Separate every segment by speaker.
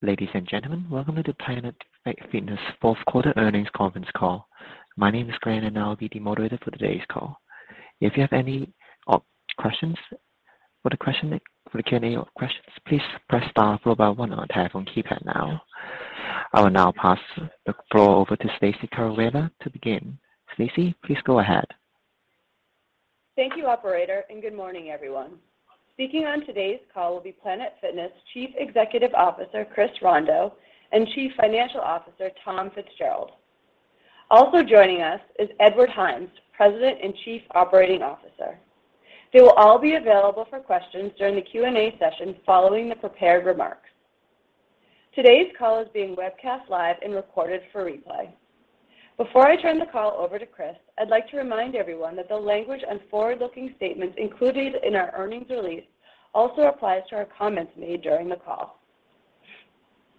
Speaker 1: Ladies and gentlemen, welcome to the Planet Fitness fourth quarter earnings conference call. My name is Glenn, and I'll be the moderator for today's call. If you have any questions for the Q&A or questions, please press star one one on your telephone keypad now. I will now pass the floor over to Stacey Caravella to begin. Stacey, please go ahead.
Speaker 2: Thank you, operator. Good morning, everyone. Speaking on today's call will be Planet Fitness Chief Executive Officer, Chris Rondeau, and Chief Financial Officer, Tom Fitzgerald. Also joining us is Edward Hynes, President and Chief Operating Officer. They will all be available for questions during the Q&A session following the prepared remarks. Today's call is being webcast live and recorded for replay. Before I turn the call over to Chris, I'd like to remind everyone that the language and forward-looking statements included in our earnings release also applies to our comments made during the call.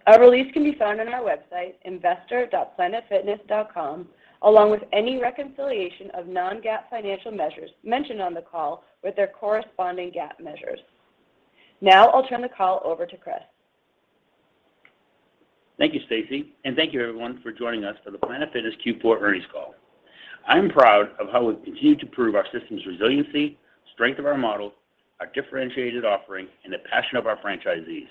Speaker 2: Our release can be found on our website, investor.planetfitness.com, along with any reconciliation of non-GAAP financial measures mentioned on the call with their corresponding GAAP measures. I'll turn the call over to Chris.
Speaker 3: Thank you, Stacy. Thank you everyone for joining us for the Planet Fitness Q4 earnings call. I'm proud of how we've continued to prove our system's resiliency, strength of our model, our differentiated offering, and the passion of our franchisees,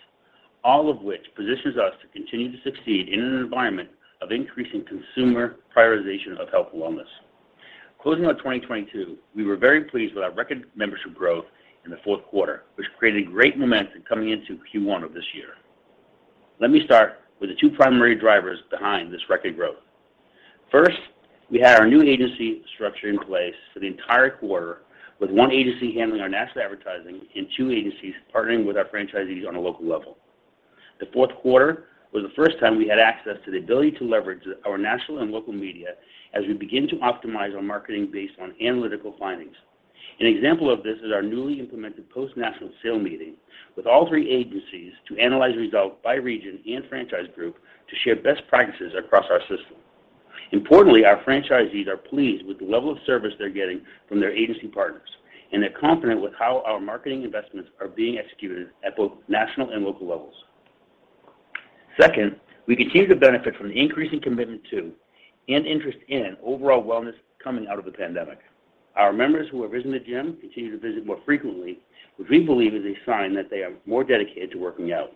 Speaker 3: all of which positions us to continue to succeed in an environment of increasing consumer prioritization of health and wellness. Closing out 2022, we were very pleased with our record membership growth in the fourth quarter, which created great momentum coming into Q1 of this year. Let me start with the two primary drivers behind this record growth. First, we had our new agency structure in place for the entire quarter, with one agency handling our national advertising and two agencies partnering with our franchisees on a local level. The fourth quarter was the first time we had access to the ability to leverage our national and local media as we begin to optimize our marketing based on analytical findings. An example of this is our newly implemented post national sale meeting with all three agencies to analyze results by region and franchise group to share best practices across our system. Importantly, our franchisees are pleased with the level of service they're getting from their agency partners, and they're confident with how our marketing investments are being executed at both national and local levels. Second, we continue to benefit from the increasing commitment to and interest in overall wellness coming out of the pandemic. Our members who have visited the gym continue to visit more frequently, which we believe is a sign that they are more dedicated to working out.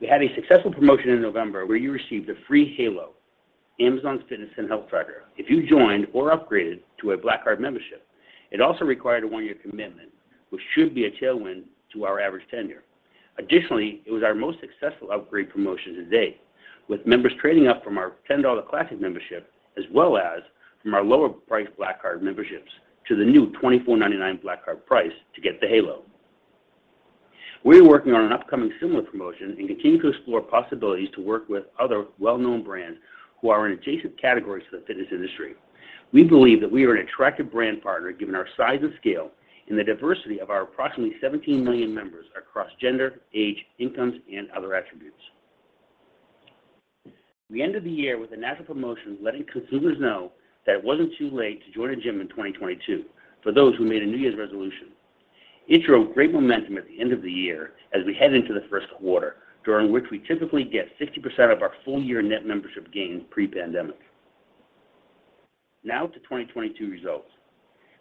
Speaker 3: We had a successful promotion in November where you received a free Amazon Halo, Amazon's fitness and health tracker, if you joined or upgraded to a PF Black Card membership. It also required a one-year commitment, which should be a tailwind to our average tenure. Additionally, it was our most successful upgrade promotion to date, with members trading up from our $10 Classic Card membership, as well as from our lower priced PF Black Card memberships to the new $24.99 PF Black Card price to get the Amazon Halo. We're working on an upcoming similar promotion and continue to explore possibilities to work with other well-known brands who are in adjacent categories to the fitness industry. We believe that we are an attractive brand partner, given our size and scale and the diversity of our approximately 17 million members across gender, age, incomes, and other attributes. We ended the year with a national promotion letting consumers know that it wasn't too late to join a gym in 2022 for those who made a New Year's resolution. It drove great momentum at the end of the year as we head into the first quarter, during which we typically get 60% of our full-year net membership gains pre-pandemic. To 2022 results.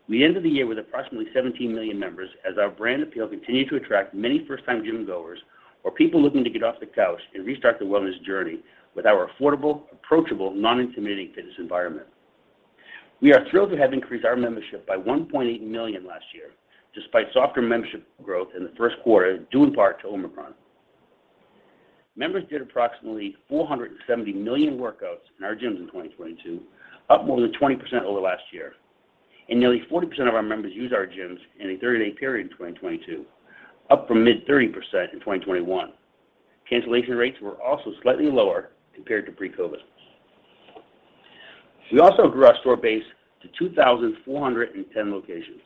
Speaker 3: We ended the year with approximately 17 million members as our brand appeal continued to attract many first-time gym-goers or people looking to get off the couch and restart their wellness journey with our affordable, approachable, non-intimidating fitness environment. We are thrilled to have increased our membership by 1.8 million last year, despite softer membership growth in the first quarter, due in part to Omicron. Members did approximately 470 million workouts in our gyms in 2022, up more than 20% over last year. Nearly 40% of our members used our gyms in a 30-day period in 2022, up from mid-30% in 2021. Cancellation rates were also slightly lower compared to pre-COVID. We also grew our store base to 2,410 locations,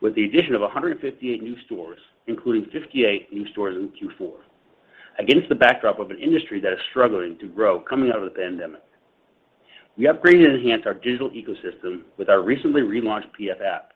Speaker 3: with the addition of 158 new stores, including 58 new stores in Q4, against the backdrop of an industry that is struggling to grow coming out of the pandemic. We upgraded and enhanced our digital ecosystem with our recently relaunched PF app.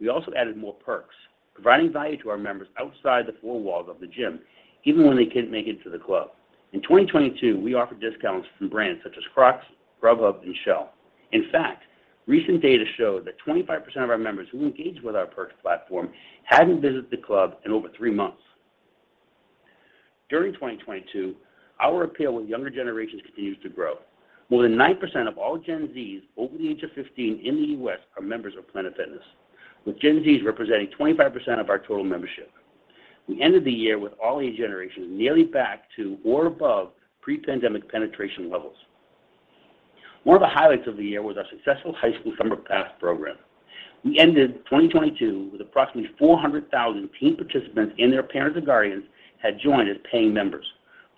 Speaker 3: We also added more perks, providing value to our members outside the four walls of the gym, even when they can't make it to the club. In 2022, we offered discounts from brands such as Crocs, Grubhub, and Shell. In fact, recent data showed that 25% of our members who engaged with our perks platform hadn't visited the club in over three months. During 2022, our appeal with younger generations continued to grow. More than 9% of all Gen Zs over the age of 15 in the U.S. are members of Planet Fitness, with Gen Zs representing 25% of our total membership. We ended the year with all age generations nearly back to or above pre-pandemic penetration levels. One of the highlights of the year was our successful High School Summer Pass program. We ended 2022 with approximately 400,000 teen participants and their parents or guardians had joined as paying members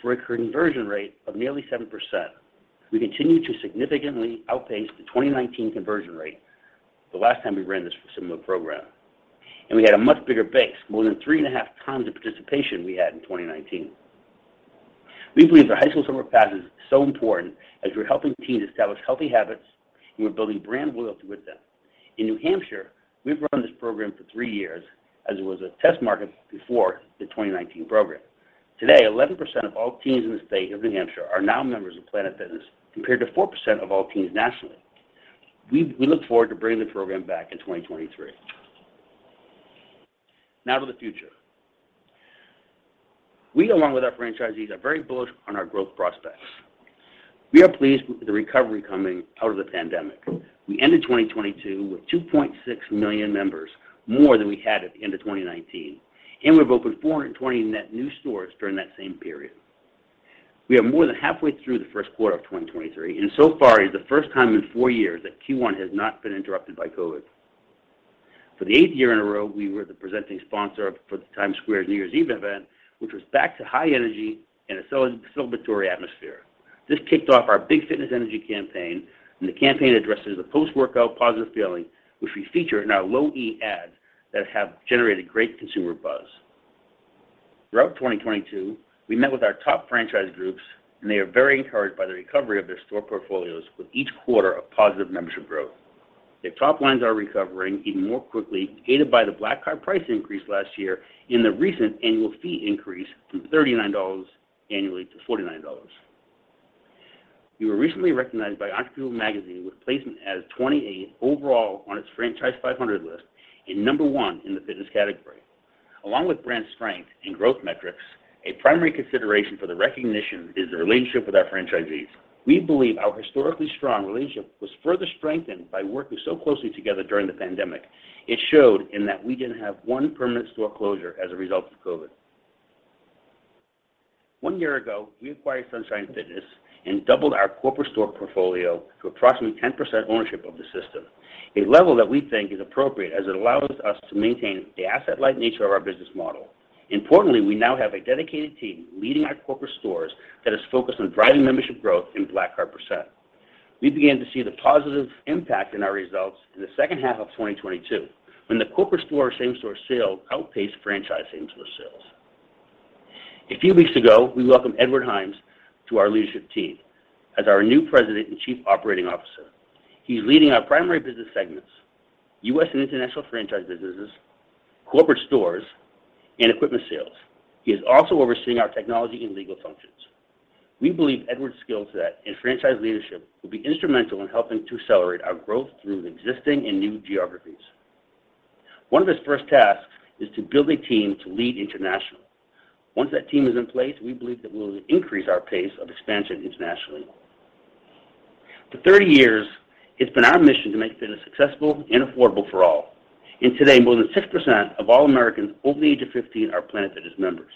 Speaker 3: for a conversion rate of nearly 7%. We continue to significantly outpace the 2019 conversion rate, the last time we ran this similar program. We had a much bigger base, more than 3.5 times the participation we had in 2019. We believe the High School Summer Pass is so important as we're helping teens establish healthy habits, and we're building brand loyalty with them. In New Hampshire, we've run this program for three years as it was a test market before the 2019 program. Today, 11% of all teens in the state of New Hampshire are now members of Planet Fitness, compared to 4% of all teens nationally. We look forward to bringing the program back in 2023. To the future. We, along with our franchisees, are very bullish on our growth prospects. We are pleased with the recovery coming out of the pandemic. We ended 2022 with 2.6 million members, more than we had at the end of 2019, and we've opened 420 net new stores during that same period. We are more than halfway through the first quarter of 2023, and so far it is the first time in four years that Q1 has not been interrupted by COVID. For the eighth year in a row, we were the presenting sponsor for the Times Square New Year's Eve event, which was back to high energy and a celebratory atmosphere. This kicked off our Big Fitness Energy campaign, and the campaign addresses the post-workout positive feeling, which we feature in our Low E ads that have generated great consumer buzz. Throughout 2022, we met with our top franchise groups, and they are very encouraged by the recovery of their store portfolios with each quarter of positive membership growth. Their top lines are recovering even more quickly, aided by the Black Card price increase last year and the recent annual fee increase from $39 annually to $49. We were recently recognized by Entrepreneur magazine with placement as 28th overall on its Franchise 500 list and number one in the fitness category. Along with brand strength and growth metrics, a primary consideration for the recognition is the relationship with our franchisees. We believe our historically strong relationship was further strengthened by working so closely together during the pandemic. It showed in that we didn't have one permanent store closure as a result of COVID. One year ago, we acquired Sunshine Fitness and doubled our corporate store portfolio to approximately 10% ownership of the system, a level that we think is appropriate as it allows us to maintain the asset-light nature of our business model. Importantly, we now have a dedicated team leading our corporate stores that is focused on driving membership growth in Black Card percent. We began to see the positive impact in our results in the second half of 2022 when the corporate store same-store sales outpaced franchise same-store sales. A few weeks ago, we welcomed Edward Hynes to our leadership team as our new President and Chief Operating Officer. He's leading our primary business segments, U.S. and international franchise businesses, corporate stores, and equipment sales. He is also overseeing our technology and legal functions. We believe Edward's skill set in franchise leadership will be instrumental in helping to accelerate our growth through existing and new geographies. One of his first tasks is to build a team to lead internationally. Once that team is in place, we believe that we'll increase our pace of expansion internationally. For 30 years, it's been our mission to make fitness successful and affordable for all. Today, more than 6% of all Americans over the age of 15 are Planet Fitness members.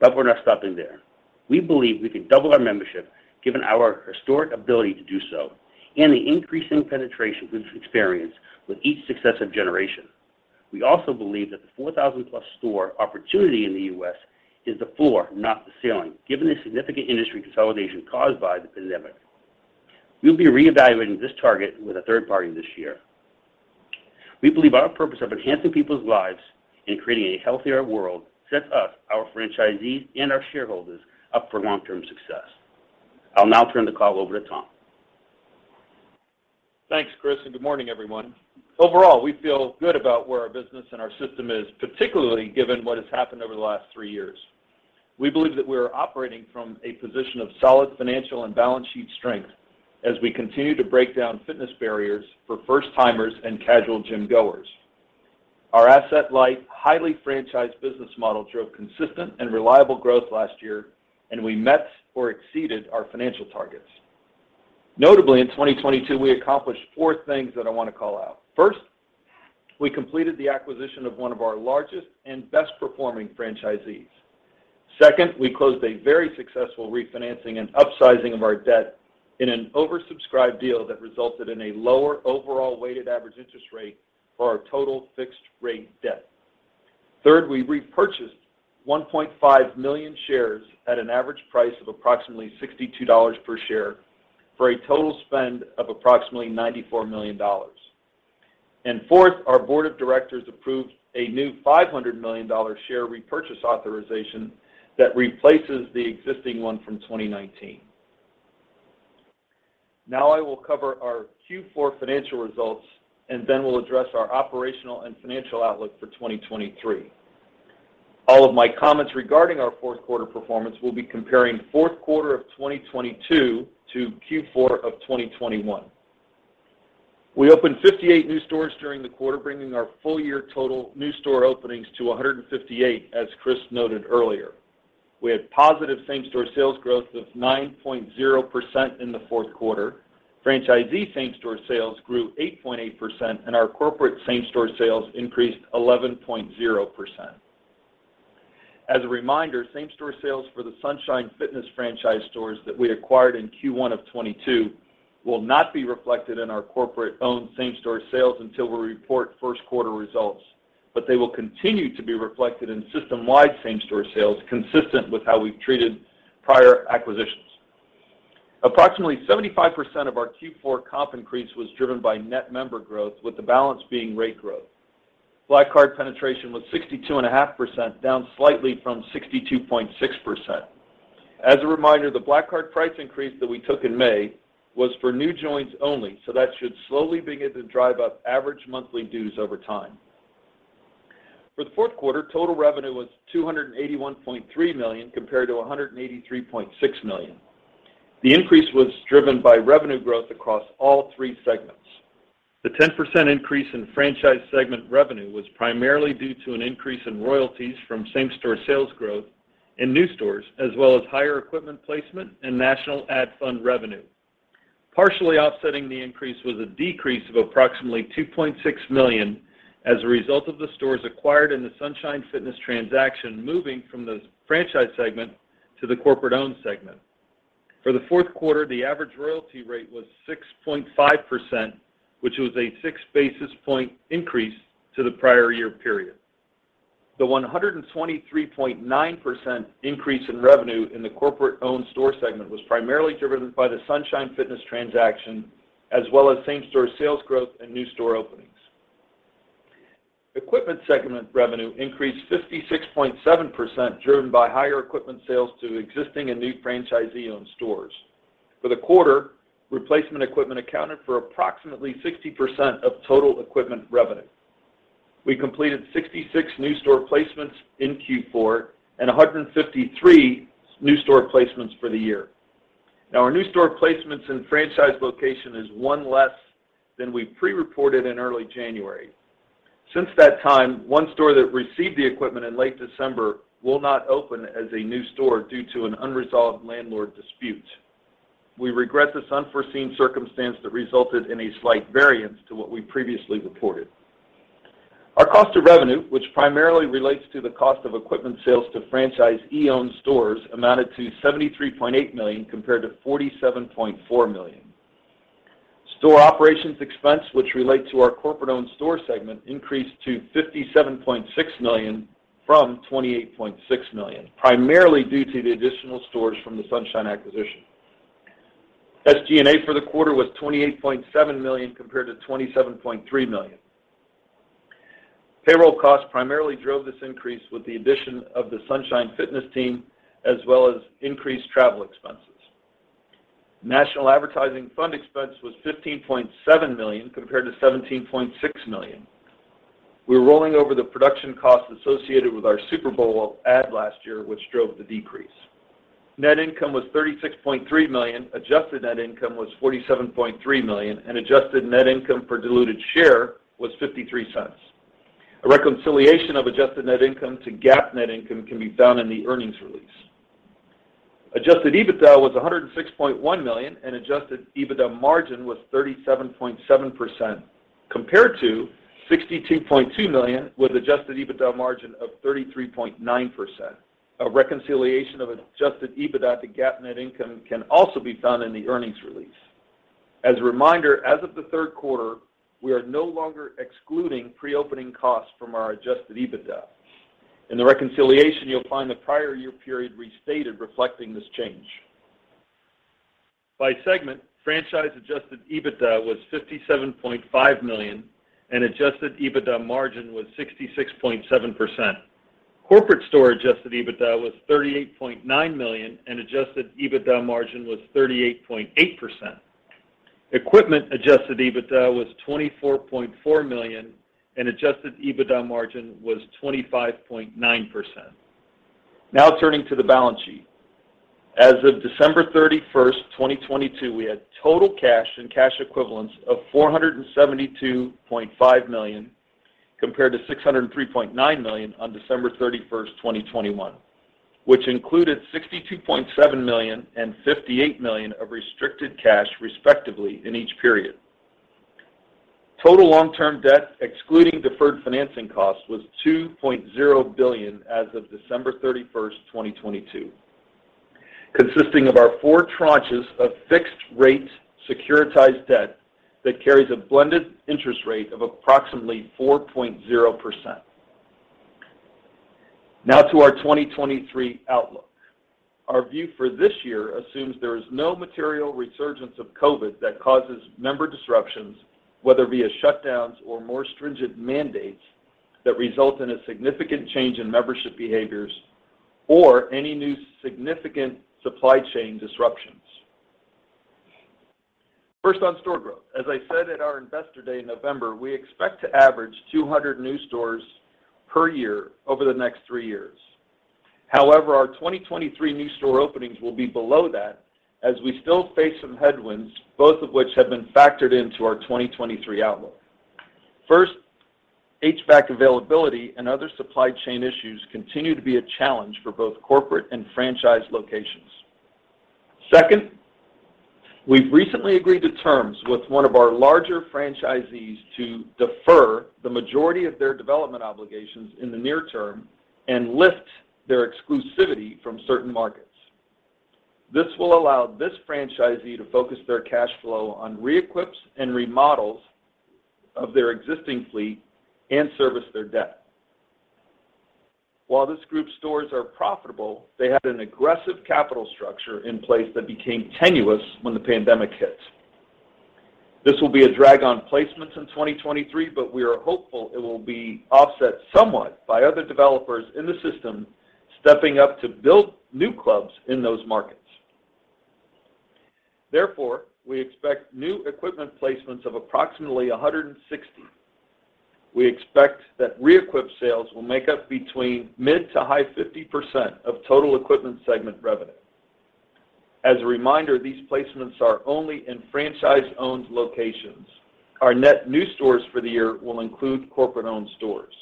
Speaker 3: We're not stopping there. We believe we can double our membership given our historic ability to do so and the increasing penetration we've experienced with each successive generation. We also believe that the 4,000+ store opportunity in the U.S. is the floor, not the ceiling, given the significant industry consolidation caused by the pandemic. We'll be reevaluating this target with a third party this year. We believe our purpose of enhancing people's lives and creating a healthier world sets us, our franchisees, and our shareholders up for long-term success. I'll now turn the call over to Tom.
Speaker 4: Thanks, Chris, and good morning, everyone. Overall, we feel good about where our business and our system is, particularly given what has happened over the last three years. We believe that we are operating from a position of solid financial and balance sheet strength as we continue to break down fitness barriers for first-timers and casual gym-goers. Our asset-light, highly franchised business model drove consistent and reliable growth last year, and we met or exceeded our financial targets. Notably, in 2022, we accomplished four things that I want to call out. First, we completed the acquisition of one of our largest and best-performing franchisees. Second, we closed a very successful refinancing and upsizing of our debt in an oversubscribed deal that resulted in a lower overall weighted average interest rate for our total fixed-rate debt. Third, we repurchased 1.5 million shares at an average price of approximately $62 per share for a total spend of approximately $94 million. Fourth, our board of directors approved a new $500 million share repurchase authorization that replaces the existing one from 2019. Now I will cover our Q4 financial results, and then we'll address our operational and financial outlook for 2023. All of my comments regarding our fourth quarter performance will be comparing fourth quarter of 2022 to Q4 of 2021. We opened 58 new stores during the quarter, bringing our full-year total new store openings to 158, as Chris noted earlier. We had positive same-store sales growth of 9.0% in the fourth quarter. Franchisee same-store sales grew 8.8%, and our corporate same-store sales increased 11.0%. As a reminder, same-store sales for the Sunshine Fitness franchise stores that we acquired in Q1 of 2022 will not be reflected in our corporate-owned same-store sales until we report first quarter results. They will continue to be reflected in system-wide same-store sales, consistent with how we've treated prior acquisitions. Approximately 75% of our Q4 comp increase was driven by net member growth, with the balance being rate growth. Black Card penetration was 62.5%, down slightly from 62.6%. As a reminder, the Black Card price increase that we took in May was for new joins only. That should slowly begin to drive up average monthly dues over time. For the fourth quarter, total revenue was $281.3 million compared to $183.6 million. The increase was driven by revenue growth across all three segments. The 10% increase in franchise segment revenue was primarily due to an increase in royalties from same-store sales growth in new stores, as well as higher equipment placement and national ad fund revenue. Partially offsetting the increase was a decrease of approximately $2.6 million as a result of the stores acquired in the Sunshine Fitness transaction, moving from the franchise segment to the corporate-owned segment. For the fourth quarter, the average royalty rate was 6.5%, which was a 6 basis point increase to the prior year period. The 123.9% increase in revenue in the corporate-owned store segment was primarily driven by the Sunshine Fitness transaction, as well as same-store sales growth and new store openings. Equipment segment revenue increased 56.7%, driven by higher equipment sales to existing and new franchisee-owned stores. For the quarter, replacement equipment accounted for approximately 60% of total equipment revenue. We completed 66 new store placements in Q4 and 153 new store placements for the year. Our new store placements in franchise location is 1 less than we pre-reported in early January. Since that time, 1 store that received the equipment in late December will not open as a new store due to an unresolved landlord dispute. We regret this unforeseen circumstance that resulted in a slight variance to what we previously reported. Our cost of revenue, which primarily relates to the cost of equipment sales to franchisee-owned stores, amounted to $73.8 million compared to $47.4 million. Store operations expense, which relate to our corporate-owned store segment, increased to $57.6 million from $28.6 million, primarily due to the additional stores from the Sunshine acquisition. SG&A for the quarter was $28.7 million compared to $27.3 million. Payroll costs primarily drove this increase with the addition of the Sunshine Fitness team, as well as increased travel expenses. National advertising fund expense was $15.7 million, compared to $17.6 million. We're rolling over the production costs associated with our Super Bowl ad last year, which drove the decrease. Net income was $36.3 million, adjusted net income was $47.3 million, and adjusted net income per diluted share was $0.53. A reconciliation of adjusted net income to GAAP net income can be found in the earnings release. Adjusted EBITDA was $106.1 million, and Adjusted EBITDA margin was 37.7%, compared to $62.2 million with Adjusted EBITDA margin of 33.9%. A reconciliation of Adjusted EBITDA to GAAP net income can also be found in the earnings release. As a reminder, as of the third quarter, we are no longer excluding pre-opening costs from our Adjusted EBITDA. In the reconciliation, you'll find the prior year period restated reflecting this change. By segment, franchise Adjusted EBITDA was $57.5 million and Adjusted EBITDA margin was 66.7%. Corporate store Adjusted EBITDA was $38.9 million and Adjusted EBITDA margin was 38.8%. Equipment Adjusted EBITDA was $24.4 million and Adjusted EBITDA margin was 25.9%. Turning to the balance sheet. As of December 31, 2022, we had total cash and cash equivalents of $472.5 million, compared to $603.9 million on December 31, 2021, which included $62.7 million and $58 million of restricted cash, respectively, in each period. Total long-term debt, excluding deferred financing costs, was $2.0 billion as of December 31, 2022, consisting of our four tranches of fixed rate securitized debt that carries a blended interest rate of approximately 4.0%. Now to our 2023 outlook. Our view for this year assumes there is no material resurgence of COVID that causes member disruptions, whether via shutdowns or more stringent mandates that result in a significant change in membership behaviors or any new significant supply chain disruptions. First, on store growth. As I said at our Investor Day in November, we expect to average 200 new stores per year over the next years. Our 2023 new store openings will be below that as we still face some headwinds, both of which have been factored into our 2023 outlook. First, HVAC availability and other supply chain issues continue to be a challenge for both corporate and franchise locations. Second, we've recently agreed to terms with one of our larger franchisees to defer the majority of their development obligations in the near term and lift their exclusivity from certain markets. This will allow this franchisee to focus their cash flow on reequips and remodels of their existing fleet and service their debt. While this group's stores are profitable, they had an aggressive capital structure in place that became tenuous when the pandemic hit. This will be a drag on placements in 2023, we are hopeful it will be offset somewhat by other developers in the system stepping up to build new clubs in those markets. Therefore, we expect new equipment placements of approximately 160. We expect that reequip sales will make up between mid to high 50% of total equipment segment revenue. As a reminder, these placements are only in franchise-owned locations. Our net new stores for the year will include corporate-owned stores.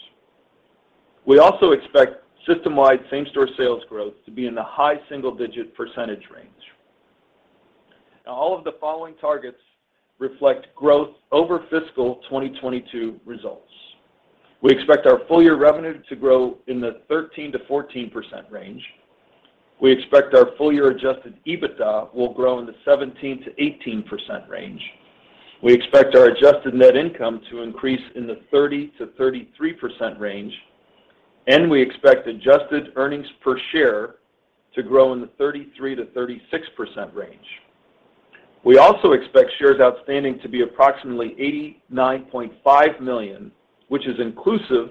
Speaker 4: We also expect system-wide same-store sales growth to be in the high single-digit % range. All of the following targets reflect growth over fiscal 2022 results. We expect our full-year revenue to grow in the 13%-14% range. We expect our full-year adjusted EBITDA will grow in the 17%-18% range. We expect our adjusted net income to increase in the 30%-33% range, and we expect adjusted earnings per share to grow in the 33%-36% range. We also expect shares outstanding to be approximately 89.5 million, which is inclusive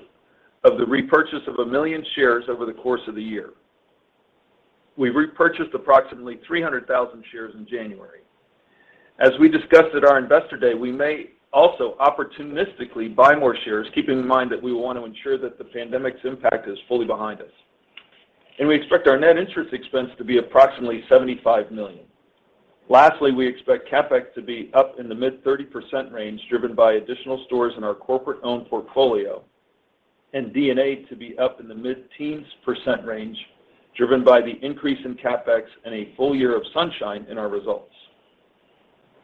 Speaker 4: of the repurchase of 1 million shares over the course of the year. We repurchased approximately 300,000 shares in January. As we discussed at our Investor Day, we may also opportunistically buy more shares, keeping in mind that we want to ensure that the pandemic's impact is fully behind us. We expect our net interest expense to be approximately $75 million. We expect CapEx to be up in the mid-30% range, driven by additional stores in our corporate-owned portfolio, and D&A to be up in the mid-teens % range, driven by the increase in CapEx and a full year of Sunshine in our results.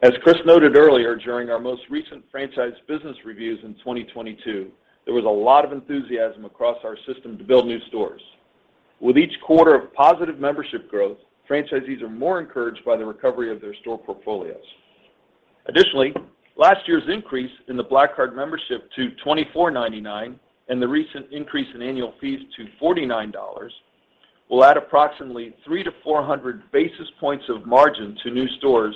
Speaker 4: As Chris noted earlier, during our most recent franchise business reviews in 2022, there was a lot of enthusiasm across our system to build new stores. With each quarter of positive membership growth, franchisees are more encouraged by the recovery of their store portfolios. Additionally, last year's increase in the PF Black Card membership to $24.99, and the recent increase in annual fees to $49, will add approximately 300-400 basis points of margin to new stores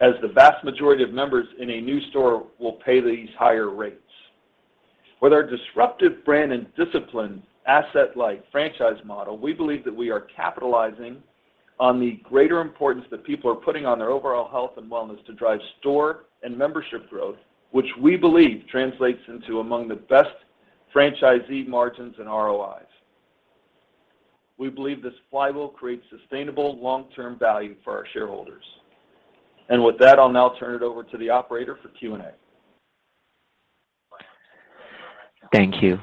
Speaker 4: as the vast majority of members in a new store will pay these higher rates. With our disruptive brand and disciplined asset-light franchise model, we believe that we are capitalizing on the greater importance that people are putting on their overall health and wellness to drive store and membership growth, which we believe translates into among the best franchisee margins and ROIs. We believe this flywheel creates sustainable long-term value for our shareholders. With that, I'll now turn it over to the operator for Q&A.
Speaker 1: Thank you.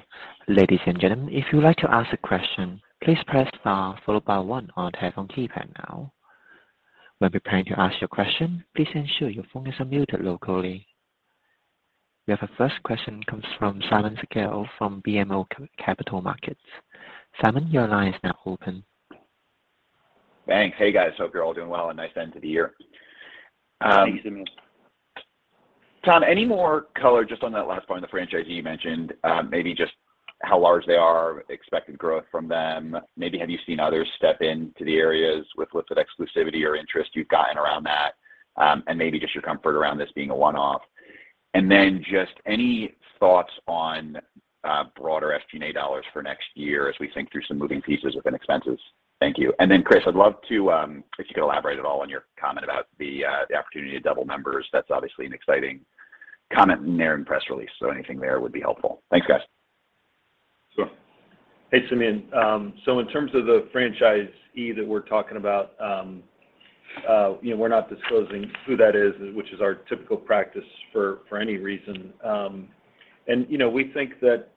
Speaker 1: Ladies and gentlemen, if you'd like to ask a question, please press star followed by 1 on your telephone keypad now. When preparing to ask your question, please ensure your phone is unmuted locally. We have our first question comes from Simeon Siegel from BMO Capital Markets. Simon, your line is now open.
Speaker 5: Thanks. Hey, guys. Hope you're all doing well and nice end to the year.
Speaker 4: Thanks, Simeon.
Speaker 5: Tom, any more color just on that last point, the franchisee you mentioned, maybe just how large they are, expected growth from them. Maybe have you seen others step into the areas with lifted exclusivity or interest you've gotten around that, and maybe just your comfort around this being a one-off. Just any thoughts on broader SG&A dollars for next year as we think through some moving pieces within expenses? Thank you. Chris, I'd love to, if you could elaborate at all on your comment about the opportunity to double members. That's obviously an exciting comment in there in press release. Anything there would be helpful. Thanks, guys.
Speaker 4: Sure. Hey, Simeon. In terms of the franchisee that we're talking about, you know, we're not disclosing who that is, which is our typical practice for any reason. You know, we think that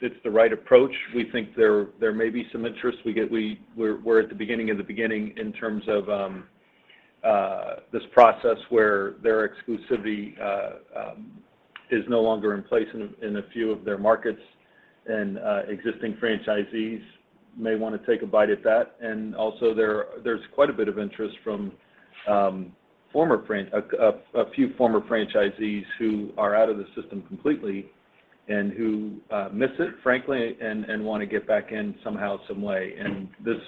Speaker 4: it's the right approach. We think there may be some interest. We're at the beginning of the beginning in terms of this process where their exclusivity is no longer in place in a few of their markets. Existing franchisees may wanna take a bite at that. Also, there's quite a bit of interest from a few former franchisees who are out of the system completely and who miss it, frankly, and wanna get back in somehow, some way. This,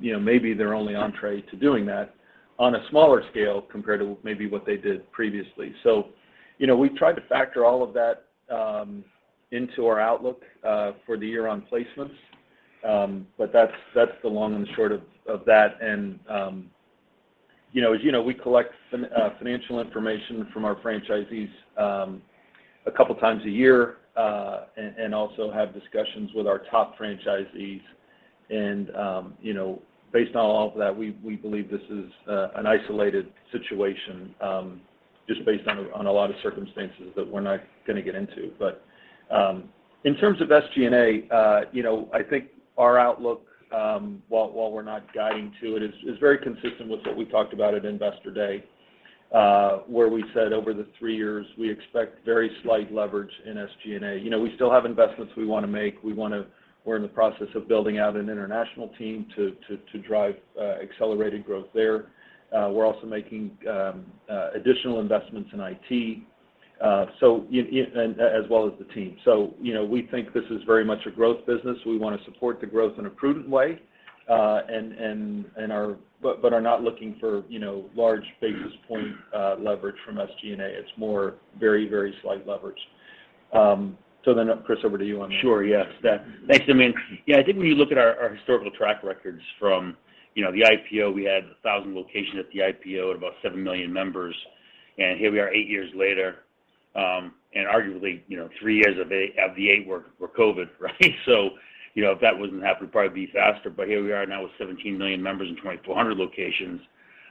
Speaker 4: you know, may be their only entrée to doing that on a smaller scale compared to maybe what they did previously. You know, we've tried to factor all of that, into our outlook, for the year on placements. That's the long and short of that. You know, as you know, we collect financial information from our franchisees, a couple times a year, and also have discussions with our top franchisees. You know, based on all of that, we believe this is, an isolated situation, just based on a lot of circumstances that we're not gonna get into. In terms of SG&A, you know, I think our outlook, while we're not guiding to it, is very consistent with what we talked about at Investor Day, where we said over the three years, we expect very slight leverage in SG&A. We still have investments we wanna make. We're in the process of building out an international team to drive accelerated growth there. We're also making additional investments in IT as well as the team. We think this is very much a growth business. We wanna support the growth in a prudent way and are not looking for, you know, large basis point leverage from SG&A. It's more very slight leverage. Chris, over to you.
Speaker 3: Sure. Yes. Thanks, I mean, yeah, I think when you look at our historical track records from, you know, the IPO, we had 1,000 locations at the IPO and about 7 million members. Here we are 8 years later, and arguably, you know, three years of the eighth were COVID, right? You know, if that wasn't happening, it'd probably be faster. Here we are now with 17 million members and 2,400 locations.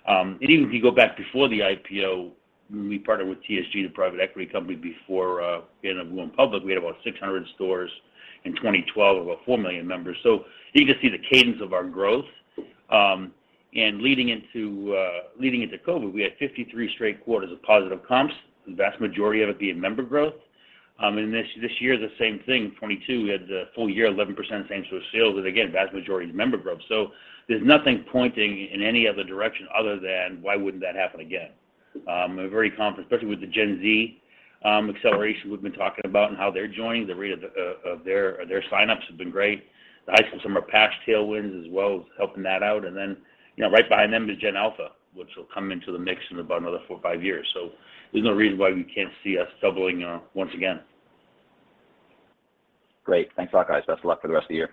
Speaker 3: Even if you go back before the IPO, when we partnered with TSG, the private equity company, before, you know, we went public, we had about 600 stores in 2012, about 4 million members. You can see the cadence of our growth, and leading into COVID, we had 53 straight quarters of positive comps, the vast majority of it being member growth. This year, the same thing. 2022, we had the full year 11% same store sales, but again, vast majority is member growth. There's nothing pointing in any other direction other than why wouldn't that happen again. We're very confident, especially with the Gen Z acceleration we've been talking about and how they're joining. The rate of their signups has been great. The High School Summer Pass tailwinds as well is helping that out. Then, you know, right behind them is Gen Alpha, which will come into the mix in about another four or five years. There's no reason why we can't see us doubling, once again.
Speaker 5: Great. Thanks a lot, guys. Best of luck for the rest of the year.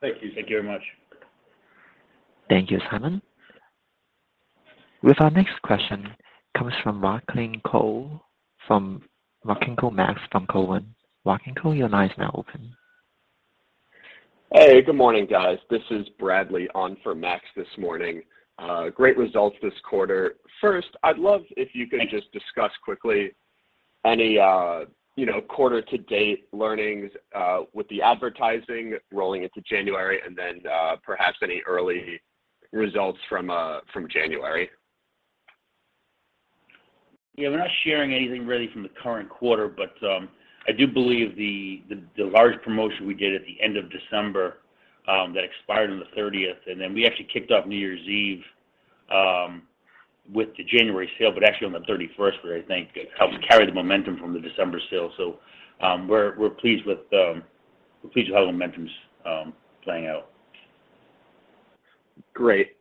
Speaker 4: Thank you.
Speaker 3: Thank you very much.
Speaker 1: Thank you, Simon. With our next question comes from Max Rakhlenko from Cowen. Rakhlenko, your line is now open.
Speaker 6: Hey, good morning, guys. This is Bradley on for Max this morning. Great results this quarter. First, I'd love.
Speaker 3: Thanks.
Speaker 6: just discuss quickly any, you know, quarter to date learnings, with the advertising rolling into January and then, perhaps any early results from January.
Speaker 3: We're not sharing anything really from the current quarter, but I do believe the large promotion we did at the end of December that expired on the 30th, and then we actually kicked off New Year's Eve with the January sale, but actually on the 31st, where I think it helped carry the momentum from the December sale. We're pleased with how the momentum's playing out.
Speaker 6: Great.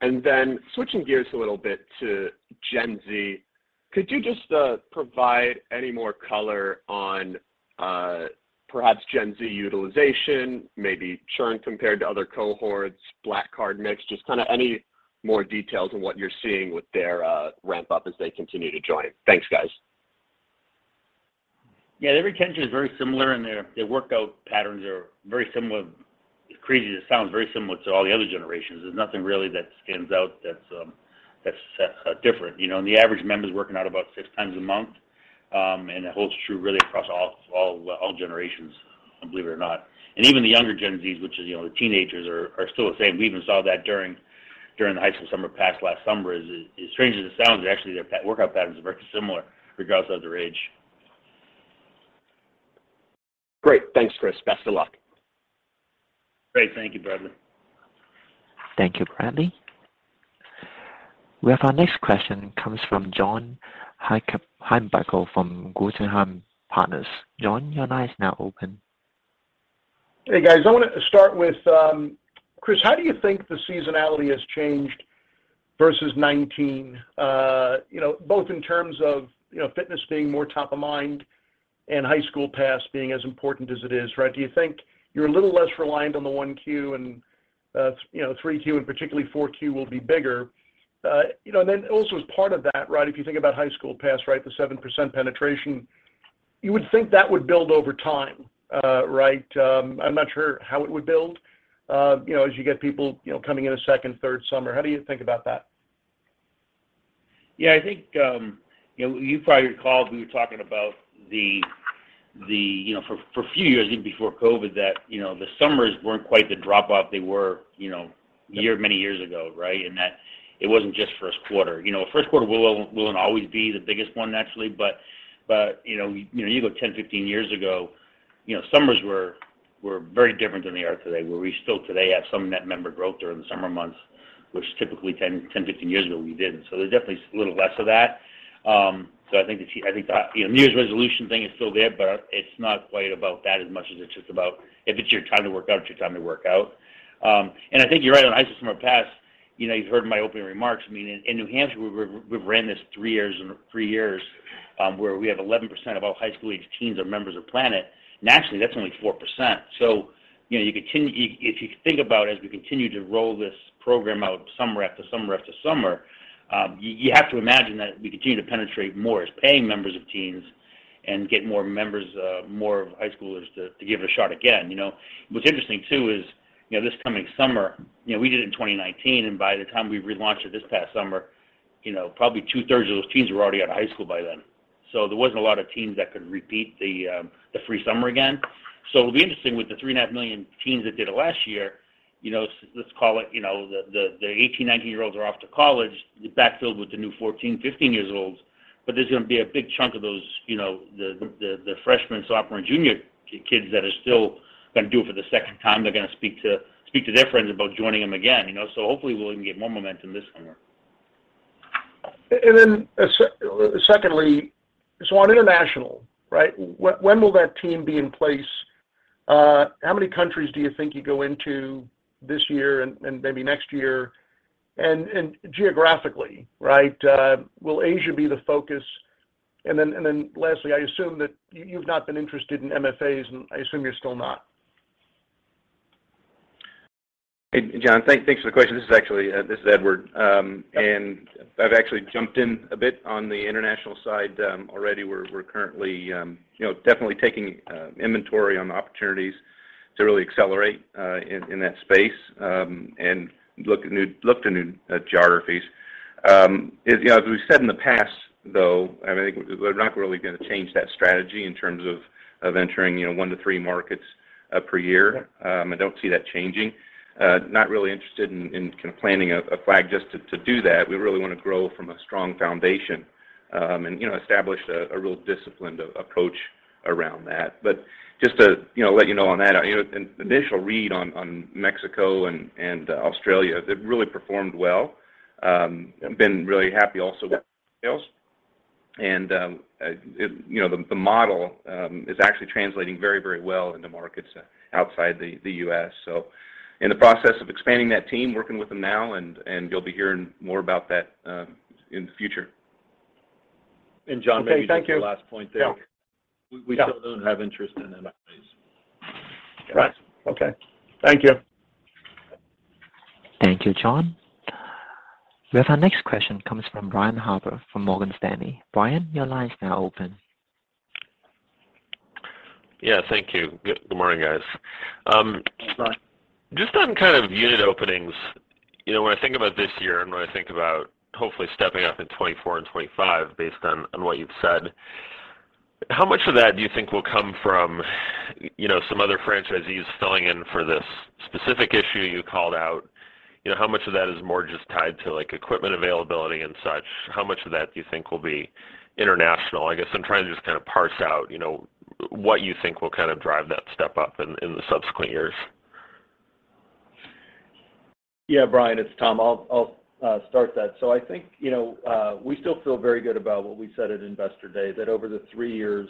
Speaker 6: Switching gears a little bit to Gen Z, could you just provide any more color on perhaps Gen Z utilization, maybe churn compared to other cohorts, Black Card mix, just kind of any more details on what you're seeing with their ramp up as they continue to join? Thanks, guys.
Speaker 3: Yeah. Their retention is very similar, and their workout patterns are very similar. It's crazy. That sounds very similar to all the other generations. There's nothing really that stands out that's different. You know, the average member's working out about six times a month. It holds true really across all generations, believe it or not. Even the younger Gen Zs, which is, you know, the teenagers are still the same. We even saw that during the High School Summer Pass last summer. As strange as it sounds, actually their workout patterns are very similar regardless of their age.
Speaker 6: Great. Thanks, Chris. Best of luck.
Speaker 3: Great. Thank you, Bradley.
Speaker 1: Thank you, Bradley. We have our next question comes from John Heinbockel from Guggenheim Partners. John, your line is now open.
Speaker 7: Hey, guys. I wanna start with, Chris, how do you think the seasonality has changed versus 19, you know, both in terms of, you know, fitness being more top of mind and High School Summer Pass being as important as it is, right? Do you think you're a little less reliant on the 1Q and, you know, 3Q, and particularly 4Q will be bigger? You know, and then also as part of that, right, if you think about High School Summer Pass, right, the 7% penetration, you would think that would build over time, right? I'm not sure how it would build, you know, as you get people, you know, coming in a second, third summer. How do you think about that?
Speaker 3: I think, you know, you probably recall we were talking about the, you know, for a few years, even before COVID, that, you know, the summers weren't quite the drop off they were, you know, many years ago, right? That it wasn't just first quarter. First quarter will always be the biggest one naturally, but, you know, you go 10, 15 years ago, you know, summers were very different than they are today, where we still today have some net member growth during the summer months, which typically 10, 15 years ago, we didn't. There's definitely a little less of that. I think the, you know, New Year's resolution thing is still there, but it's not quite about that as much as it's just about if it's your time to work out, it's your time to work out. And I think you're right on High School Summer Pass. You know, you've heard my opening remarks. I mean, in New Hampshire, we've ran this three years, where we have 11% of all high school-aged teens are members of Planet. Nationally, that's only 4%. You know, if you think about as we continue to roll this program out summer after summer after summer, you have to imagine that we continue to penetrate more as paying members of teens and get more members, more high schoolers to give it a shot again. You know, what's interesting too is, you know, this coming summer, you know, we did it in 2019, by the time we relaunched it this past summer, you know, probably two-thirds of those teens were already out of high school by then. There wasn't a lot of teens that could repeat the free summer again. It'll be interesting with the 3.5 million teens that did it last year, you know, let's call it, you know, the 18, 19-year-olds are off to college. It backfilled with the new 14, 15 year-olds, but there's gonna be a big chunk of those, you know, the, the freshman, sophomore, and junior kids that are still. Going to do it for the second time. They're going to speak to their friends about joining them again, you know? Hopefully we'll even get more momentum this summer.
Speaker 7: Secondly, so on international, right? When will that team be in place? How many countries do you think you go into this year and maybe next year? Geographically, right? Will Asia be the focus? Lastly, I assume that you've not been interested in MFAs, and I assume you're still not.
Speaker 8: John, thanks for the question. This is actually this is Edward. I've actually jumped in a bit on the international side. Already we're currently, you know, definitely taking inventory on the opportunities to really accelerate in that space, and look to new geographies. As, you know, as we've said in the past, though, I think we're not really going to change that strategy in terms of entering, you know, 1 to 3 markets per year. I don't see that changing. Not really interested in kind of planting a flag just to do that. We really want to grow from a strong foundation, and, you know, establish a real disciplined approach around that. Just to, you know, let you know on that. You know, an initial read on Mexico and Australia, they've really performed well. Been really happy also with sales. You know, the model is actually translating very, very well in the markets outside the US. In the process of expanding that team, working with them now, and you'll be hearing more about that in the future.
Speaker 7: Okay. Thank you.
Speaker 8: John, maybe just the last point there.
Speaker 7: Yeah.
Speaker 8: We still don't have interest in MFAs.
Speaker 7: Right. Okay. Thank you.
Speaker 1: Thank you, John. We have our next question comes from Brian Harbour from Morgan Stanley. Brian, your line is now open.
Speaker 9: Yeah. Thank you. Good morning, guys.
Speaker 4: Hey, Brian.
Speaker 9: Just on kind of unit openings, you know, when I think about this year, and when I think about hopefully stepping up in 2024 and 2025, based on what you've said, how much of that do you think will come from, you know, some other franchisees filling in for this specific issue you called out? You know, how much of that is more just tied to, like, equipment availability and such? How much of that do you think will be international? I guess I'm trying to just kind of parse out, you know, what you think will kind of drive that step up in the subsequent years.
Speaker 4: Yeah. Brian, it's Tom. I'll start that. I think, you know, we still feel very good about what we said at Investor Day, that over the three years,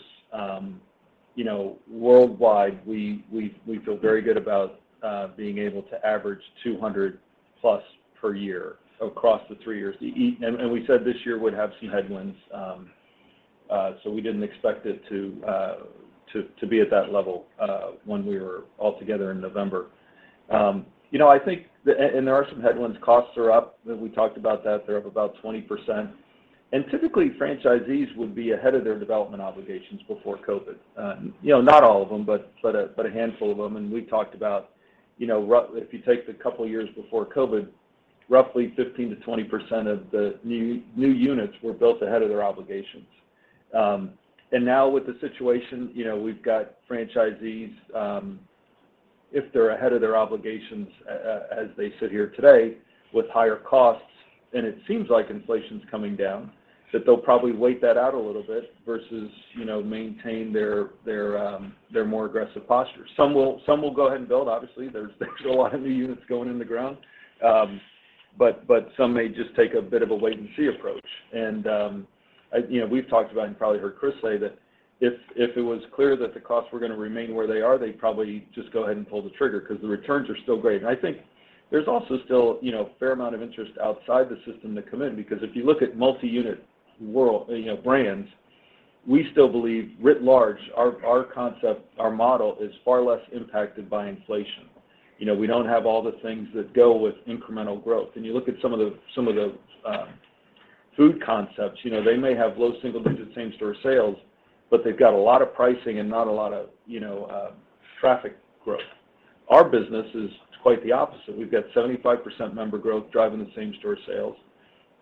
Speaker 4: you know, worldwide, we feel very good about being able to average 200 plus per year across the three years. And we said this year would have some headwinds, we didn't expect it to be at that level when we were all together in November. You know, and there are some headwinds. Costs are up. We talked about that. They're up about 20%. Typically, franchisees would be ahead of their development obligations before COVID. You know, not all of them, but a handful of them. We talked about, you know, if you take the couple of years before COVID, roughly 15%-20% of the new units were built ahead of their obligations. Now with the situation, you know, we've got franchisees, if they're ahead of their obligations as they sit here today with higher costs, then it seems like inflation's coming down, that they'll probably wait that out a little bit versus, you know, maintain their more aggressive posture. Some will go ahead and build. Obviously, there's a lot of new units going in the ground. Some may just take a bit of a wait and see approach. You know, we've talked about, and probably heard Chris say that if it was clear that the costs were going to remain where they are, they'd probably just go ahead and pull the trigger because the returns are still great. I think there's also still, you know, a fair amount of interest outside the system to come in. If you look at multi-unit world, you know, brands, we still believe writ large, our concept, our model is far less impacted by inflation. You look at some of the food concepts, you know, they may have low single-digit same-store sales, but they've got a lot of pricing and not a lot of, you know, traffic growth. Our business is quite the opposite. We've got 75% member growth driving the same store sales.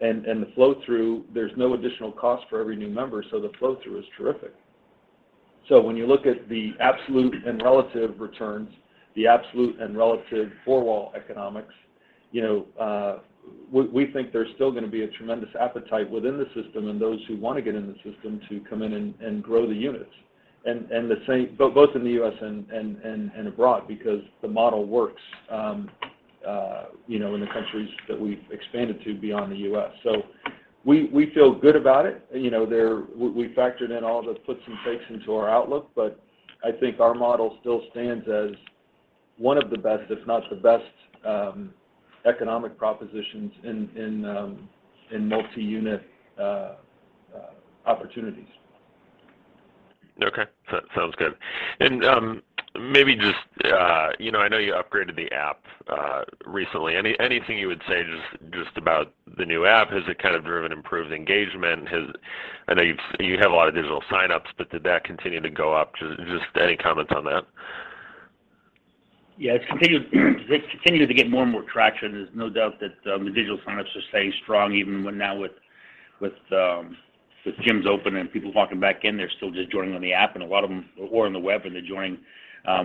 Speaker 4: The flow through, there's no additional cost for every new member, so the flow through is terrific. When you look at the absolute and relative returns, the absolute and relative four wall economics, you know, we think there's still going to be a tremendous appetite within the system and those who want to get in the system to come in and grow the units. Both in the U.S. and abroad because the model works, you know, in the countries that we've expanded to beyond the U.S. We feel good about it. You know, We factored in all the puts and takes into our outlook, but I think our model still stands as one of the best, if not the best, economic propositions in multi-unit opportunities.
Speaker 9: Okay. Sounds good. Maybe just, you know, I know you upgraded the app recently. Anything you would say just about the new app? Has it kind of driven improved engagement? Has I know you have a lot of digital signups, but did that continue to go up? Just any comments on that.
Speaker 3: Yeah. It's continued to get more and more traction. There's no doubt that the digital signups are staying strong, even when now with gyms open and people walking back in, they're still just joining on the app, and a lot of them were on the web, and they're joining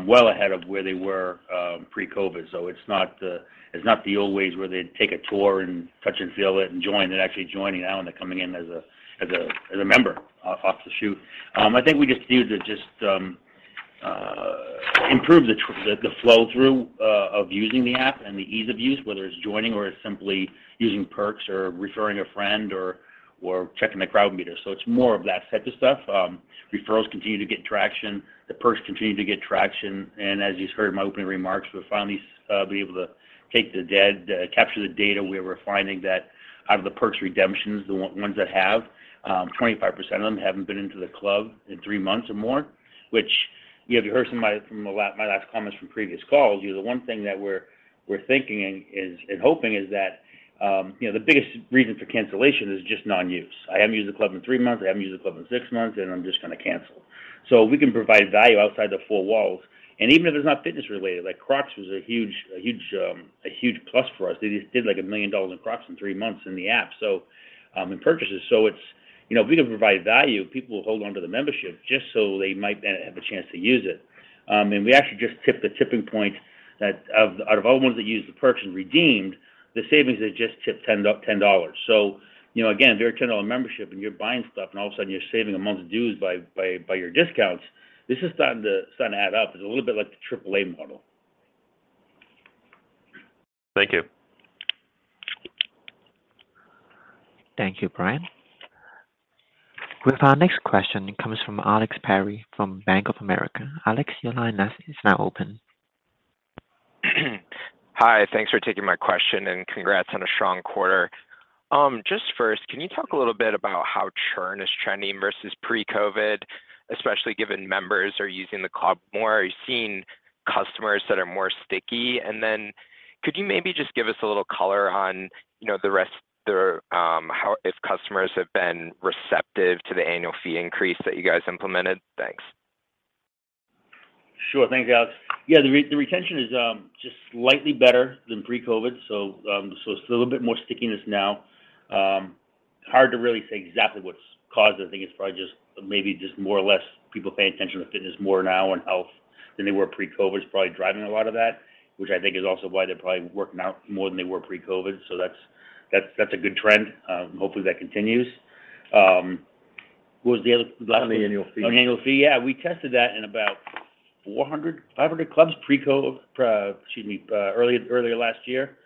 Speaker 3: well ahead of where they were pre-COVID. It's not the old ways where they'd take a tour and touch and feel it and join. They're actually joining now, and they're coming in as a member off the shoot. I think we just needed to just. Improve the flow-through of using the app and the ease of use, whether it's joining or it's simply using perks or referring a friend or checking the Crowd Meter. It's more of that type of stuff. Referrals continue to get traction, the perks continue to get traction, and as you just heard in my opening remarks, we'll finally be able to capture the data. We were finding that out of the perks redemptions, the one-ones that have 25% of them haven't been into the club in three months or more, which, you know, if you heard some of my last comments from previous calls, you know, the one thing that we're thinking and is and hoping is that, you know, the biggest reason for cancellation is just non-use. I haven't used the club in three months, I haven't used the club in six months, and I'm just gonna cancel. We can provide value outside the four walls, and even if it's not fitness related, like Crocs was a huge plus for us. They just did, like, $1 million in Crocs in three months in the app, and purchases. It's, you know, if we can provide value, people will hold on to the membership just so they might then have a chance to use it. We actually just tipped the tipping point that of, out of all the ones that used the perks and redeemed, the savings had just tipped $10. You know, again, if you're a $10 membership and you're buying stuff, and all of a sudden you're saving a month's dues by your discounts, this is starting to sort of add up. It's a little bit like the AAA model.
Speaker 9: Thank you.
Speaker 1: Thank you, Brian. With our next question, it comes from Alex Perry from Bank of America. Alex, your line is now open.
Speaker 10: Hi, thanks for taking my question, and congrats on a strong quarter. Just first, can you talk a little bit about how churn is trending versus pre-COVID, especially given members are using the club more? Are you seeing customers that are more sticky? Could you maybe just give us a little color on, you know, the how if customers have been receptive to the annual fee increase that you guys implemented? Thanks.
Speaker 3: Sure. Thanks, Alex. Yeah, the retention is just slightly better than pre-COVID, so just a little bit more stickiness now. Hard to really say exactly what's caused it. I think it's probably just, maybe just more or less people paying attention to fitness more now and health than they were pre-COVID. It's probably driving a lot of that, which I think is also why they're probably working out more than they were pre-COVID. That's a good trend. Hopefully, that continues. What was the other, the last one?
Speaker 4: On the annual fee.
Speaker 3: On the annual fee. Yeah, we tested that in about 400, 500 clubs pre-COVID, excuse me, earlier last year.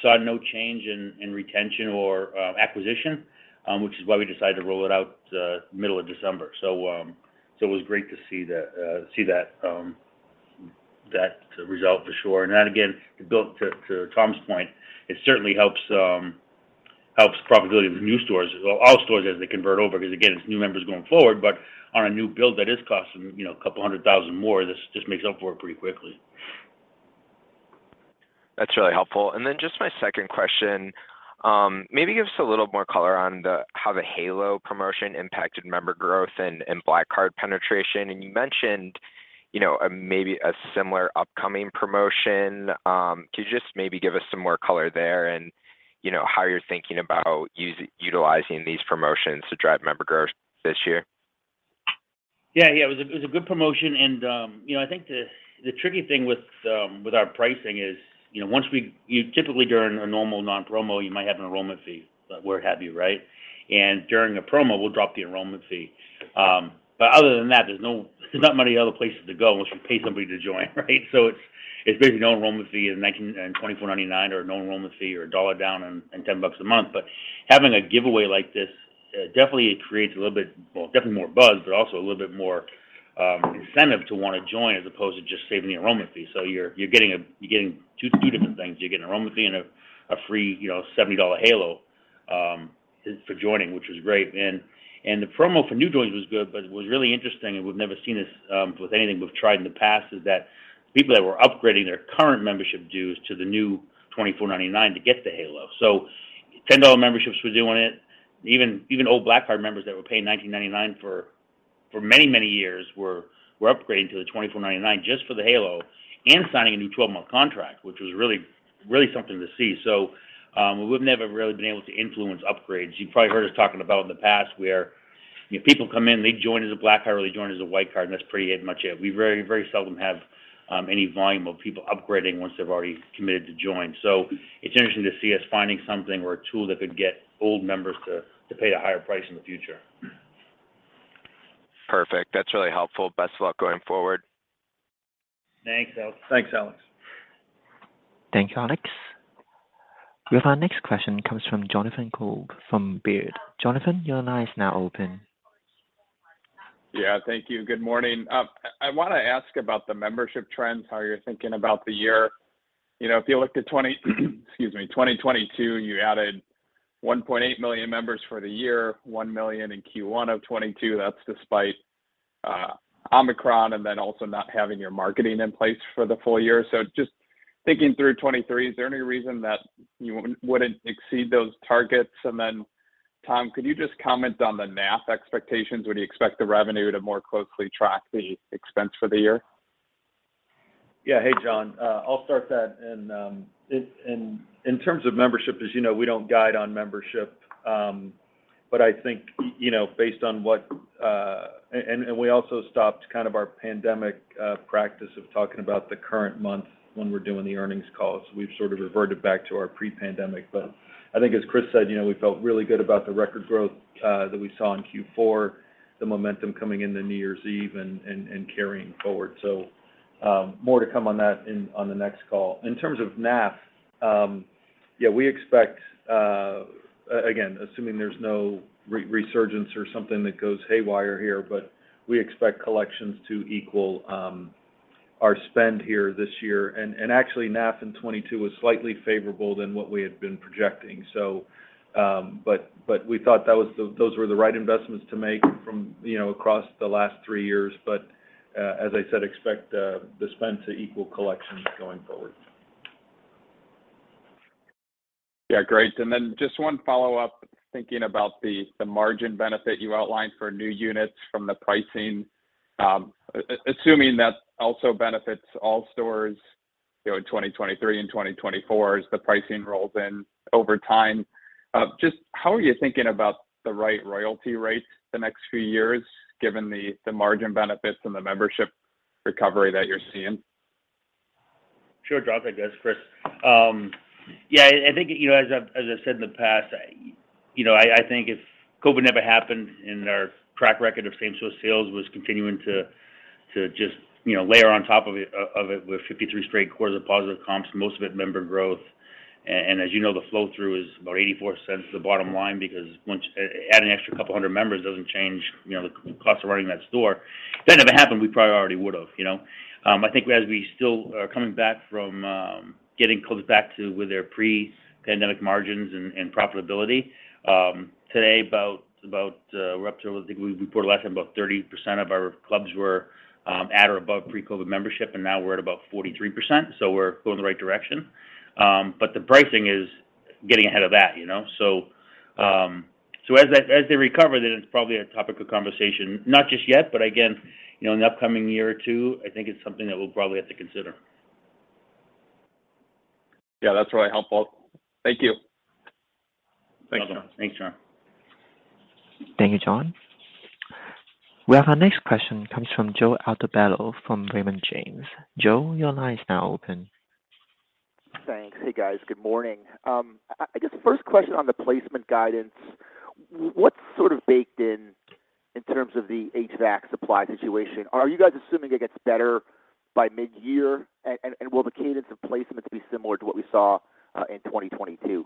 Speaker 3: Saw no change in retention or acquisition, which is why we decided to roll it out middle of December. It was great to see that result for sure. That, again, built to Tom's point, it certainly helps profitability of the new stores. Well, all stores as they convert over, 'cause again, it's new members going forward, but on a new build, that is costing, you know, a couple hundred thousand dollars more. This just makes up for it pretty quickly.
Speaker 10: That's really helpful. Just my second question, maybe give us a little more color on the, how the Halo promotion impacted member growth and Black Card penetration. You mentioned, you know, a maybe a similar upcoming promotion. Could you just maybe give us some more color there and, you know, how you're thinking about utilizing these promotions to drive member growth this year?
Speaker 3: Yeah. Yeah. It was a, it was a good promotion and, you know, I think the tricky thing with our pricing is, you know, you typically during a normal non-promo, you might have an enrollment fee or what have you, right? During a promo, we'll drop the enrollment fee. Other than that, there's no, there's not many other places to go once you pay somebody to join, right? It's, it's basically no enrollment fee and $24.99 or no enrollment fee or a dollar down and $10 bucks a month. Having a giveaway like this, definitely creates a little bit, well, definitely more buzz, but also a little bit more incentive to wanna join as opposed to just saving the enrollment fee. You're getting two different things. You're getting enrollment fee and a free, you know, $70 Halo for joining, which was great. The promo for new joins was good, but it was really interesting, and we've never seen this with anything we've tried in the past, is that people that were upgrading their current membership dues to the new $24.99 to get the Halo. $10 memberships were doing it. Even old Black Card members that were paying $19.99 for many, many years were upgrading to the $24.99 just for the Halo and signing a new 12-month contract, which was really something to see. We've never really been able to influence upgrades. You probably heard us talking about in the past where, you know, people come in, they join as a PF Black Card or they join as a Classic Card. That's pretty much it. We very, very seldom have any volume of people upgrading once they've already committed to join. It's interesting to see us finding something or a tool that could get old members to pay a higher price in the future.
Speaker 10: Perfect. That's really helpful. Best of luck going forward.
Speaker 3: Thanks, Alex.
Speaker 4: Thanks, Alex.
Speaker 1: Thank you, Alex. With our next question comes from Jonathan Komp from Baird. Jonathan, your line is now open.
Speaker 11: Thank you. Good morning. I wanna ask about the membership trends, how you're thinking about the year. You know, if you looked at 2022, you added 1.8 million members for the year, 1 million in Q1 of 2022, that's despite Omicron also not having your marketing in place for the full year. Just thinking through 2023, is there any reason that you wouldn't exceed those targets? Tom, could you just comment on the NAF expectations? Would you expect the revenue to more closely track the expense for the year?
Speaker 4: Yeah. Hey, John. I'll start that. In terms of membership, as you know, we don't guide on membership. I think, you know, we also stopped kind of our pandemic practice of talking about the current month when we're doing the earnings call. We've sort of reverted back to our pre-pandemic. I think as Chris said, you know, we felt really good about the record growth that we saw in Q4, the momentum coming into New Year's Eve and carrying forward. More to come on that on the next call. In terms of NAF Yeah, we expect again, assuming there's no resurgence or something that goes haywire here, but we expect collections to equal our spend here this year. Actually NAF in 2022 was slightly favorable than what we had been projecting. We thought those were the right investments to make from, you know, across the last 3 years. As I said, expect the spend to equal collections going forward.
Speaker 11: Yeah. Great. Just one follow-up. Thinking about the margin benefit you outlined for new units from the pricing, assuming that also benefits all stores, you know, in 2023 and 2024 as the pricing rolls in over time, just how are you thinking about the right royalty rate the next few years given the margin benefits and the membership recovery that you're seeing?
Speaker 3: Sure, John. I guess, Chris. Yeah, I think, you know, as I said in the past, you know, I think if COVID never happened and our track record of same store sales was continuing to just, you know, layer on top of it, of it with 53 straight quarters of positive comps, most of it member growth. As you know, the flow through is about $0.84 to the bottom line because once, adding an extra couple hundred members doesn't change, you know, the cost of running that store. If that never happened, we probably already would have, you know. I think as we still are coming back from getting close back to where their pre-pandemic margins and profitability. Today, we're up to, I think we reported last time about 30% of our clubs were at or above pre-COVID membership, and now we're at about 43%. We're going the right direction. But the pricing is getting ahead of that, you know. As they, as they recover, then it's probably a topic of conversation. Not just yet, but again, you know, in the upcoming year or two, I think it's something that we'll probably have to consider.
Speaker 11: Yeah, that's really helpful. Thank you.
Speaker 3: Thanks, John.
Speaker 8: You're welcome. Thanks, John.
Speaker 1: Thank you, John. Well, our next question comes from Joseph Altobello from Raymond James. Joe, your line is now open.
Speaker 12: Thanks. Hey, guys. Good morning. I guess first question on the placement guidance. What's sort of baked in in terms of the HVAC supply situation? Are you guys assuming it gets better by mid-year? Will the cadence of placements be similar to what we saw in 2022?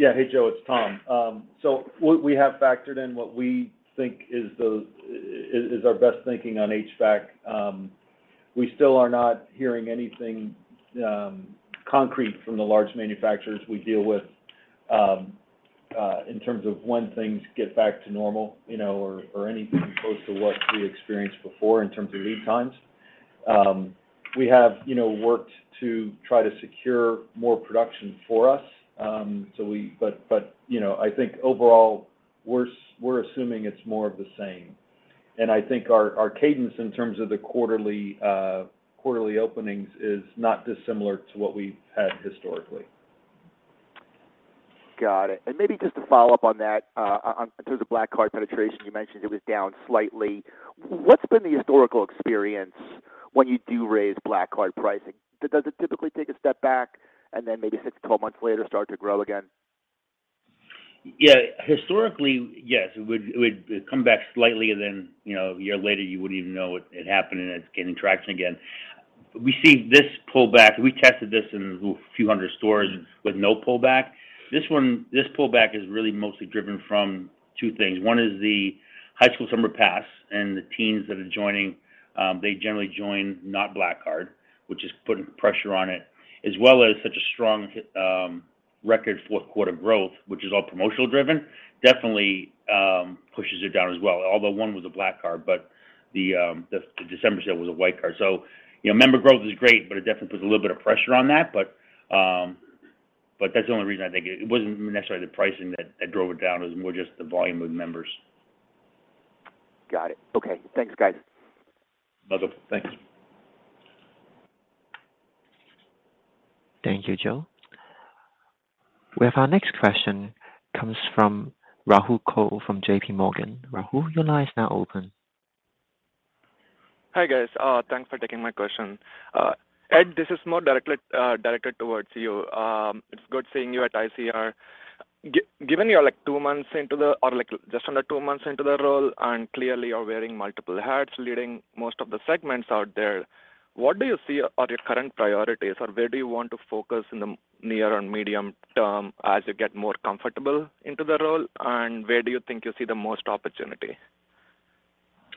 Speaker 8: Yeah. Hey, Joe, it's Tom. What we have factored in what we think is our best thinking on HVAC. We still are not hearing anything concrete from the large manufacturers we deal with in terms of when things get back to normal, you know, or anything close to what we experienced before in terms of lead times. We have, you know, worked to try to secure more production for us. But, you know, I think overall we're assuming it's more of the same. I think our cadence in terms of the quarterly openings is not dissimilar to what we've had historically.
Speaker 12: Got it. Maybe just to follow up on that, on in terms of Black Card penetration, you mentioned it was down slightly. What's been the historical experience when you do raise Black Card pricing? Does it typically take a step back and then maybe 6-12 months later start to grow again?
Speaker 3: Historically, yes, it would come back slightly, and then, you know, a year later you wouldn't even know it happened. It's gaining traction again. We see this pullback. We tested this in a few hundred stores with no pullback. This one, this pullback is really mostly driven from two things. One is the High School Summer Pass and the teens that are joining. They generally join not Black Card, which is putting pressure on it, as well as such strong, record quarter growth, which is all promotional driven, definitely pushes it down as well. One was a Black Card, but the December sale was a White Card. You know, member growth is great, but it definitely puts a little bit of pressure on that. That's the only reason I think. It wasn't necessarily the pricing that drove it down. It was more just the volume of members.
Speaker 12: Got it. Okay. Thanks, guys.
Speaker 8: You're welcome. Thank you.
Speaker 1: Thank you, Joe. We have our next question comes from Rahul Krotthapalli from JPMorgan. Rahul, your line is now open.
Speaker 13: Hi, guys. Thanks for taking my question. Ed, this is more directly directed towards you. It's good seeing you at ICR. Given you are like two months or like just under two months into the role, and clearly you're wearing multiple hats leading most of the segments out there, what do you see are your current priorities, or where do you want to focus in the near and medium term as you get more comfortable into the role? Where do you think you see the most opportunity?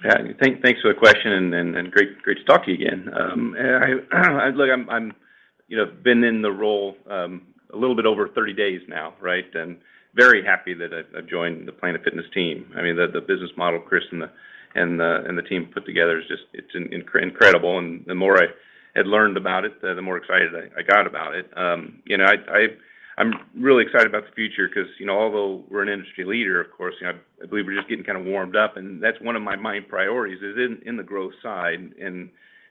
Speaker 8: Yeah. Thanks for the question and great to talk to you again. Yeah, look, I'm, you know, been in the role a little bit over 30 days now, right? Very happy that I've joined the Planet Fitness team. I mean, the business model Chris and the team put together is just incredible, and the more I had learned about it, the more excited I got about it. You know, I'm really excited about the future 'cause, you know, although we're an industry leader, of course, you know, I believe we're just getting kind of warmed up, and that's one of my main priorities is in the growth side.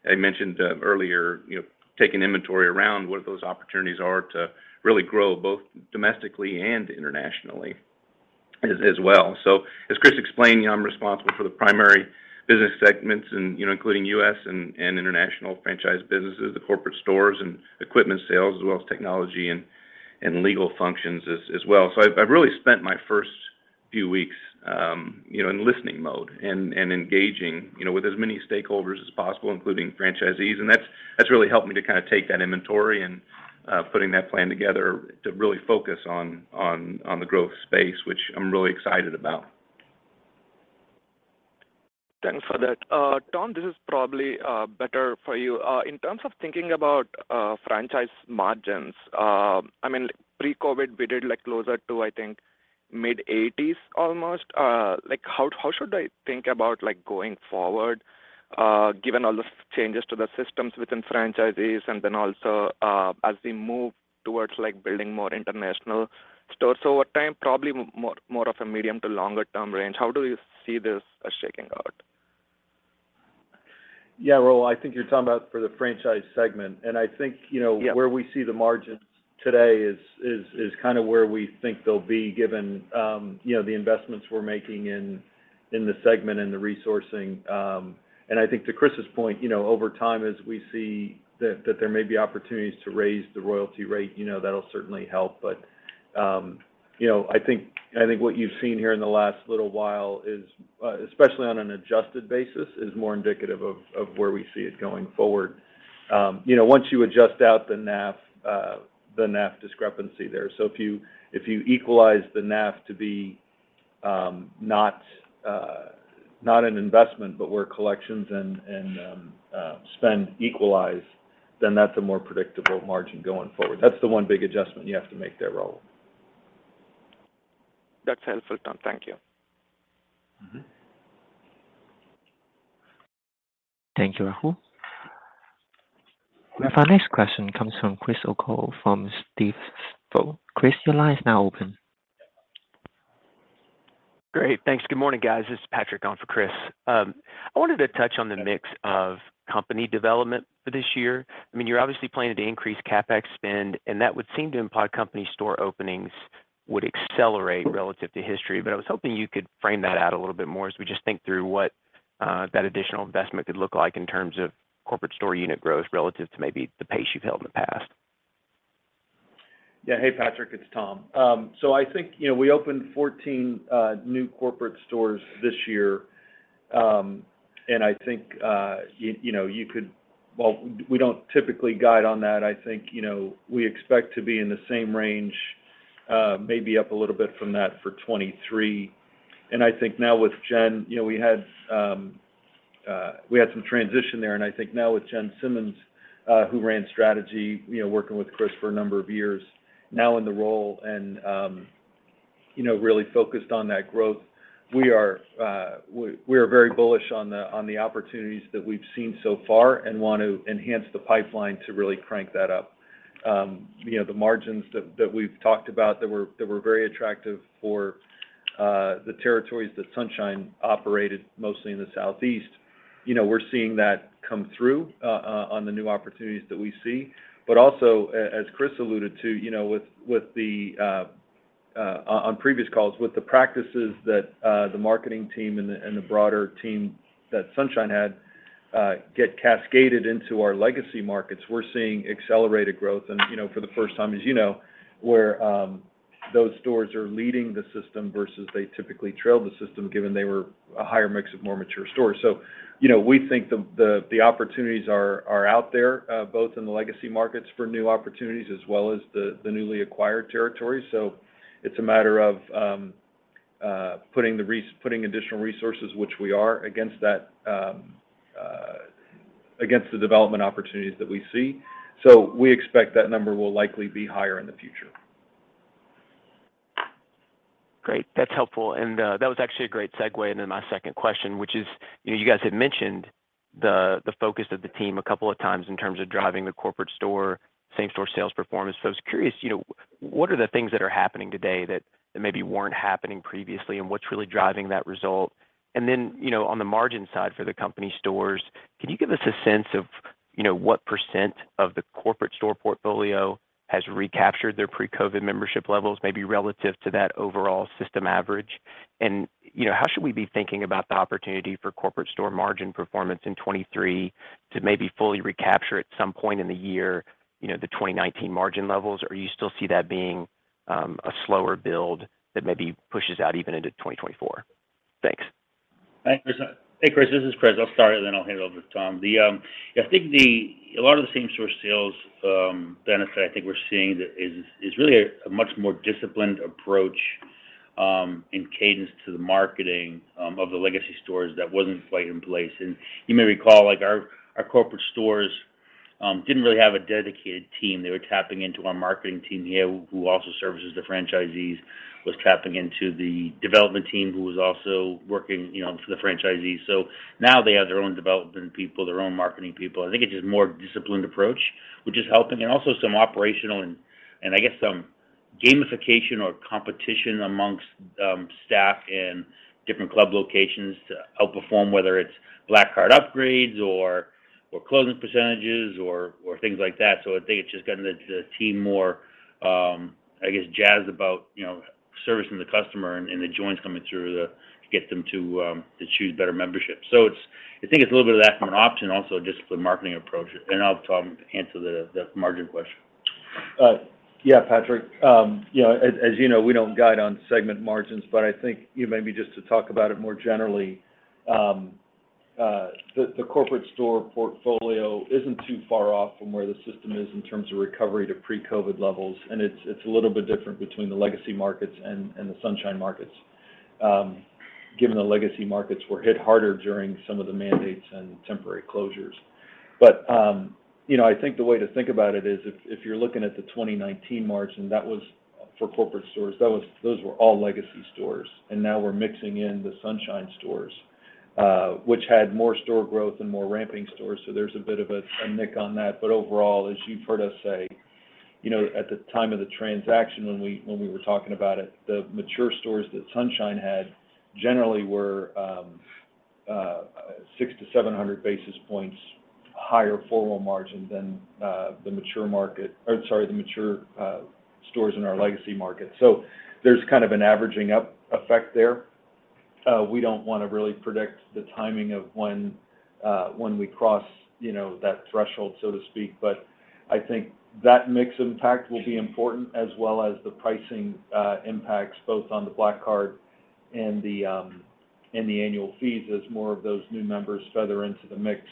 Speaker 8: I mentioned, earlier, you know, taking inventory around what those opportunities are to really grow both domestically and internationally as well. As Chris explained, you know, I'm responsible for the primary business segments and, you know, including U.S. and international franchise businesses, the corporate stores and equipment sales, as well as technology and legal functions as well. I've really spent my first Few weeks, you know, in listening mode and engaging, you know, with as many stakeholders as possible, including franchisees. That's really helped me to kind of take that inventory and putting that plan together to really focus on the growth space, which I'm really excited about.
Speaker 13: Thanks for that. Tom, this is probably better for you. In terms of thinking about franchise margins, I mean, pre-COVID, we did like closer to, I think, mid-80s% almost. Like, how should I think about, like, going forward, given all the changes to the systems within franchisees and then also, as we move towards, like, building more international stores over time, probably more of a medium to longer term range. How do you see this shaking out?
Speaker 4: Yeah. Well, I think you're talking about for the franchise segment. I think, you know.
Speaker 3: Yeah
Speaker 4: where we see the margins today is kind of where we think they'll be given, you know, the investments we're making in the segment and the resourcing. I think to Chris's point, you know, over time as we see that there may be opportunities to raise the royalty rate, you know, that'll certainly help. You know, I think what you've seen here in the last little while is especially on an adjusted basis, is more indicative of where we see it going forward. You know, once you adjust out the NAF, the NAF discrepancy there. If you, if you equalize the NAF to be not an investment, but where collections and spend equalize, then that's a more predictable margin going forward. That's the one big adjustment you have to make there, Raul.
Speaker 13: That's helpful, Tom. Thank you.
Speaker 4: Mm-hmm.
Speaker 1: Thank you, Raul. Our next question comes from Chris O'Cull from Stifel. Chris, your line is now open.
Speaker 14: Great. Thanks. Good morning, guys. This is Patrick on for Chris. I wanted to touch on the mix of company development for this year. I mean, you're obviously planning to increase CapEx spend, and that would seem to imply company store openings would accelerate relative to history. I was hoping you could frame that out a little bit more as we just think through what that additional investment could look like in terms of corporate store unit growth relative to maybe the pace you've held in the past.
Speaker 4: Yeah. Hey, Patrick, it's Tom. I think, you know, we opened 14 new corporate stores this year, and I think, you know, you could... Well, we don't typically guide on that. I think, you know, we expect to be in the same range, maybe up a little bit from that for 2023. I think now with Jen, you know, we had some transition there, and I think now with Jennifer Simmons, who ran strategy, you know, working with Chris for a number of years now in the role and, you know, really focused on that growth. We are very bullish on the opportunities that we've seen so far and want to enhance the pipeline to really crank that up. You know, the margins that we've talked about that were very attractive for the territories that Sunshine operated mostly in the Southeast, you know, we're seeing that come through on the new opportunities that we see. Also, as Chris alluded to, you know, with the on previous calls, with the practices that the marketing team and the broader team that Sunshine had get cascaded into our legacy markets. We're seeing accelerated growth, you know, for the first time, as you know, where those stores are leading the system versus they typically trailed the system given they were a higher mix of more mature stores. You know, we think the opportunities are out there, both in the legacy markets for new opportunities as well as the newly acquired territories. It's a matter of putting additional resources, which we are, against that, against the development opportunities that we see. We expect that number will likely be higher in the future.
Speaker 14: Great. That's helpful. That was actually a great segue into my second question, which is, you know, you guys had mentioned the focus of the team a couple of times in terms of driving the corporate store same-store sales performance. I was curious, you know, what are the things that are happening today that maybe weren't happening previously, and what's really driving that result? Then, you know, on the margin side for the company stores, can you give us a sense of, you know, what percent of the corporate store portfolio has recaptured their pre-COVID membership levels, maybe relative to that overall system average? How should we be thinking about the opportunity for corporate store margin performance in 2023 to maybe fully recapture at some point in the year, you know, the 2019 margin levels? You still see that being a slower build that maybe pushes out even into 2024? Thanks.
Speaker 4: Thanks, Chris.
Speaker 3: Hey, Chris. This is Chris. I'll start, and then I'll hand it over to Tom. The, yeah, I think the, a lot of the same store sales, benefit I think we're seeing that is really a much more disciplined approach, in cadence to the marketing, of the legacy stores that wasn't quite in place. You may recall, like our corporate stores, didn't really have a dedicated team. They were tapping into our marketing team here, who also services the franchisees, was tapping into the development team, who was also working, you know, for the franchisees. Now they have their own development people, their own marketing people. I think it's just more disciplined approach, which is helping. Also some operational and I guess some gamification or competition amongst staff in different club locations to outperform, whether it's black card upgrades or closing percentages or things like that. I think it's just gotten the team more, I guess, jazzed about, you know, servicing the customer and the joints coming through to get them to choose better membership. I think it's a little bit of that from an option, also just the marketing approach. I'll, Tom, answer the margin question.
Speaker 4: Yeah, Patrick. Yeah, as you know, we don't guide on segment margins, but I think, you know, maybe just to talk about it more generally, the corporate store portfolio isn't too far off from where the system is in terms of recovery to pre-COVID levels. It's a little bit different between the Legacy markets and the Sunshine markets, given the Legacy markets were hit harder during some of the mandates and temporary closures. You know, I think the way to think about it is if you're looking at the 2019 margin, that was for corporate stores, those were all Legacy stores, and now we're mixing in the Sunshine stores, which had more store growth and more ramping stores. There's a bit of a nick on that. Overall, as you've heard us say, you know, at the time of the transaction when we were talking about it, the mature stores that Sunshine had generally were 600-700 basis points higher forward margin than the mature market or sorry, the mature stores in our legacy market. There's kind of an averaging up effect there. We don't wanna really predict the timing of when we cross, you know, that threshold, so to speak. I think that mix impact will be important as well as the pricing impacts both on the Black Card and the annual fees as more of those new members feather into the mix.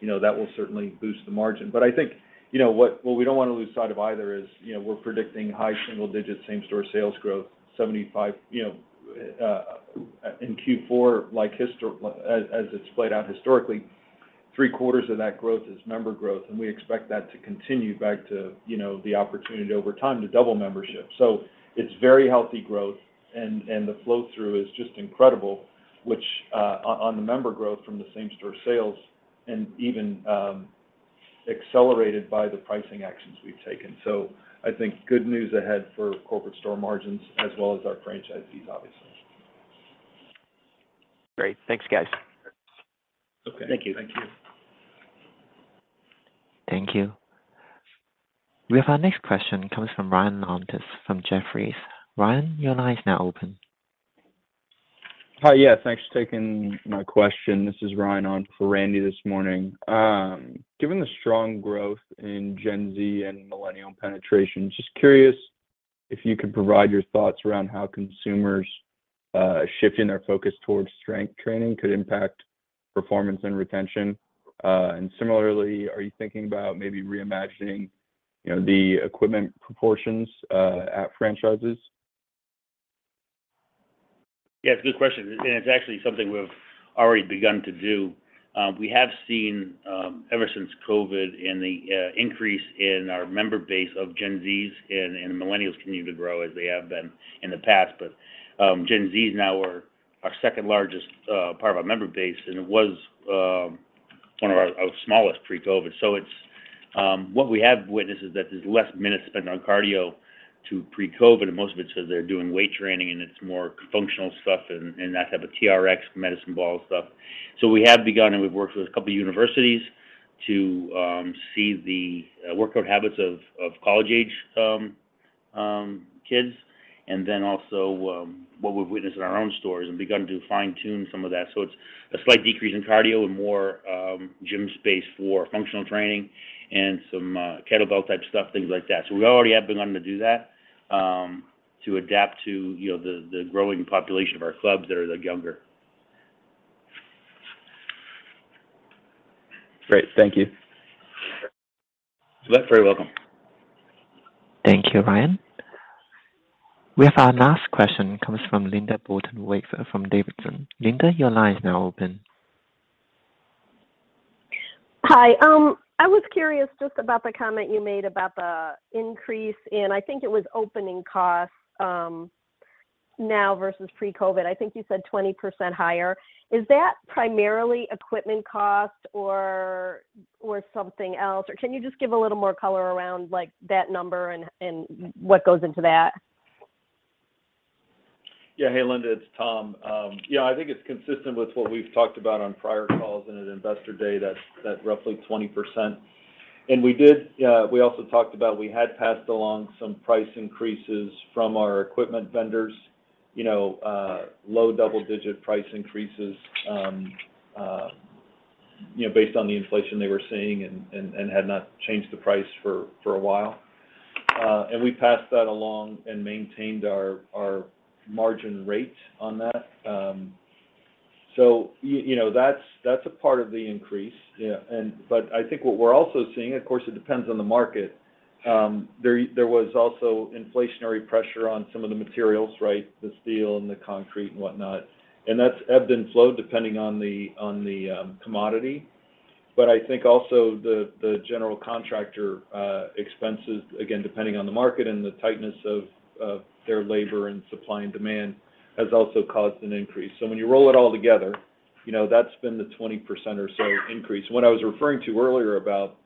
Speaker 4: You know, that will certainly boost the margin. I think, you know, what we don't wanna lose sight of either is, you know, we're predicting high single-digit same-store sales growth, 75 in Q4, like as it's played out historically. Three-quarters of that growth is member growth, and we expect that to continue back to, you know, the opportunity over time to double membership. It's very healthy growth and the flow-through is just incredible, which on the member growth from the same-store sales and even accelerated by the pricing actions we've taken. I think good news ahead for corporate store margins as well as our franchise fees, obviously.
Speaker 14: Great. Thanks, guys.
Speaker 4: Okay.
Speaker 3: Thank you.
Speaker 4: Thank you.
Speaker 1: Thank you. We have our next question comes from Randal Konik from Jefferies. Randal, your line is now open.
Speaker 15: Hi. Yeah, thanks for taking my question. This is Ryan on for Randy this morning. Given the strong growth in Gen Z and millennial penetration, just curious if you could provide your thoughts around how consumers shifting their focus towards strength training could impact performance and retention. Similarly, are you thinking about maybe reimagining, you know, the equipment proportions at franchises?
Speaker 3: Yeah, it's a good question, and it's actually something we've already begun to do. We have seen, ever since COVID and the increase in our member base of Gen Zs and the millennials continue to grow as they have been in the past. Gen Z is now our second-largest part of our member base, and it was one of our smallest pre-COVID. It's what we have witnessed is that there's less minutes spent on cardio to pre-COVID, and most of it's 'cause they're doing weight training, and it's more functional stuff and that type of TRX medicine ball stuff. We have begun, and we've worked with a couple universities to see the workout habits of college-age kids and then also, what we've witnessed in our own stores and begun to fine-tune some of that. It's a slight decrease in cardio and more gym space for functional training and some kettlebell-type stuff, things like that. We already have begun to do that to adapt to, you know, the growing population of our clubs that are the younger.
Speaker 15: Great. Thank you.
Speaker 3: You're very welcome.
Speaker 1: Thank you, Ryan. We have our last question comes from Linda Bolton-Wefer from Davidson. Linda, your line is now open.
Speaker 16: Hi. I was curious just about the comment you made about the increase in, I think it was opening costs now versus pre-COVID. I think you said 20% higher. Is that primarily equipment cost or something else? Can you just give a little more color around, like, that number and what goes into that?
Speaker 4: Hey, Linda, it's Tom. I think it's consistent with what we've talked about on prior calls and at Investor Day that roughly 20%. We also talked about we had passed along some price increases from our equipment vendors, you know, low double-digit price increases, you know, based on the inflation they were seeing and had not changed the price for a while. We passed that along and maintained our margin rate on that. You know, that's a part of the increase. Yeah. I think what we're also seeing, of course, it depends on the market. There was also inflationary pressure on some of the materials, right? The steel and the concrete and whatnot. That's ebbed and flowed depending on the commodity. I think also the general contractor expenses, again, depending on the market and the tightness of their labor and supply and demand, has also caused an increase. When you roll it all together, you know, that's been the 20% or so increase. What I was referring to earlier about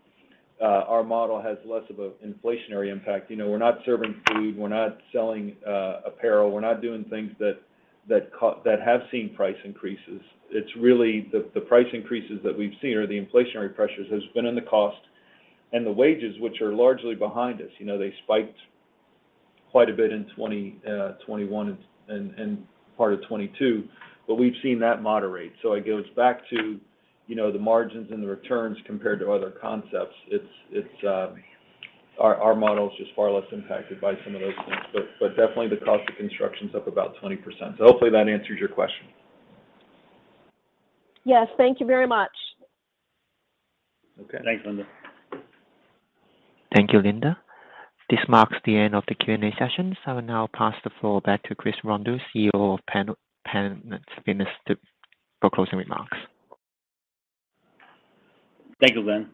Speaker 4: our model has less of a inflationary impact. You know, we're not serving food, we're not selling apparel, we're not doing things that have seen price increases. It's really the price increases that we've seen or the inflationary pressures has been in the cost and the wages, which are largely behind us. You know, they spiked quite a bit in 2021 and part of 2022, but we've seen that moderate. It goes back to, you know, the margins and the returns compared to other concepts. It's our model is just far less impacted by some of those things. Definitely the cost of construction's up about 20%. Hopefully that answers your question.
Speaker 16: Yes. Thank you very much.
Speaker 3: Okay.
Speaker 4: Thanks, Linda.
Speaker 1: Thank you, Linda. This marks the end of the Q&A session. I will now pass the floor back to Chris Rondeau, CEO of Planet Fitness, for closing remarks.
Speaker 3: Thank you, Lynn.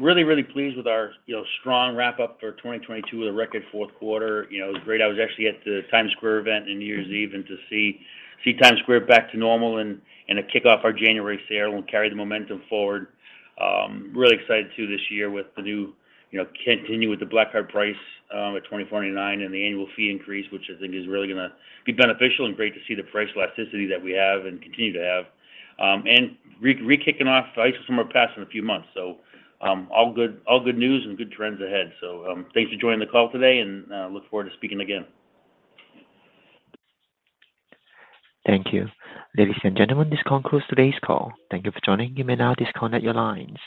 Speaker 3: Really, really pleased with our, you know, strong wrap-up for 2022 with a record fourth quarter. You know, it was great. I was actually at the Times Square event in New Year's Eve and to see Times Square back to normal and to kick off our January sale and carry the momentum forward. Really excited too this year with the new, you know, continue with the Black Card price at $24.99 and the annual fee increase, which I think is really gonna be beneficial and great to see the price elasticity that we have and continue to have. And rekicking off the High School Summer Pass in a few months. All good news and good trends ahead. Thanks for joining the call today and look forward to speaking again.
Speaker 1: Thank you. Ladies and gentlemen, this concludes today's call. Thank you for joining. You may now disconnect your lines.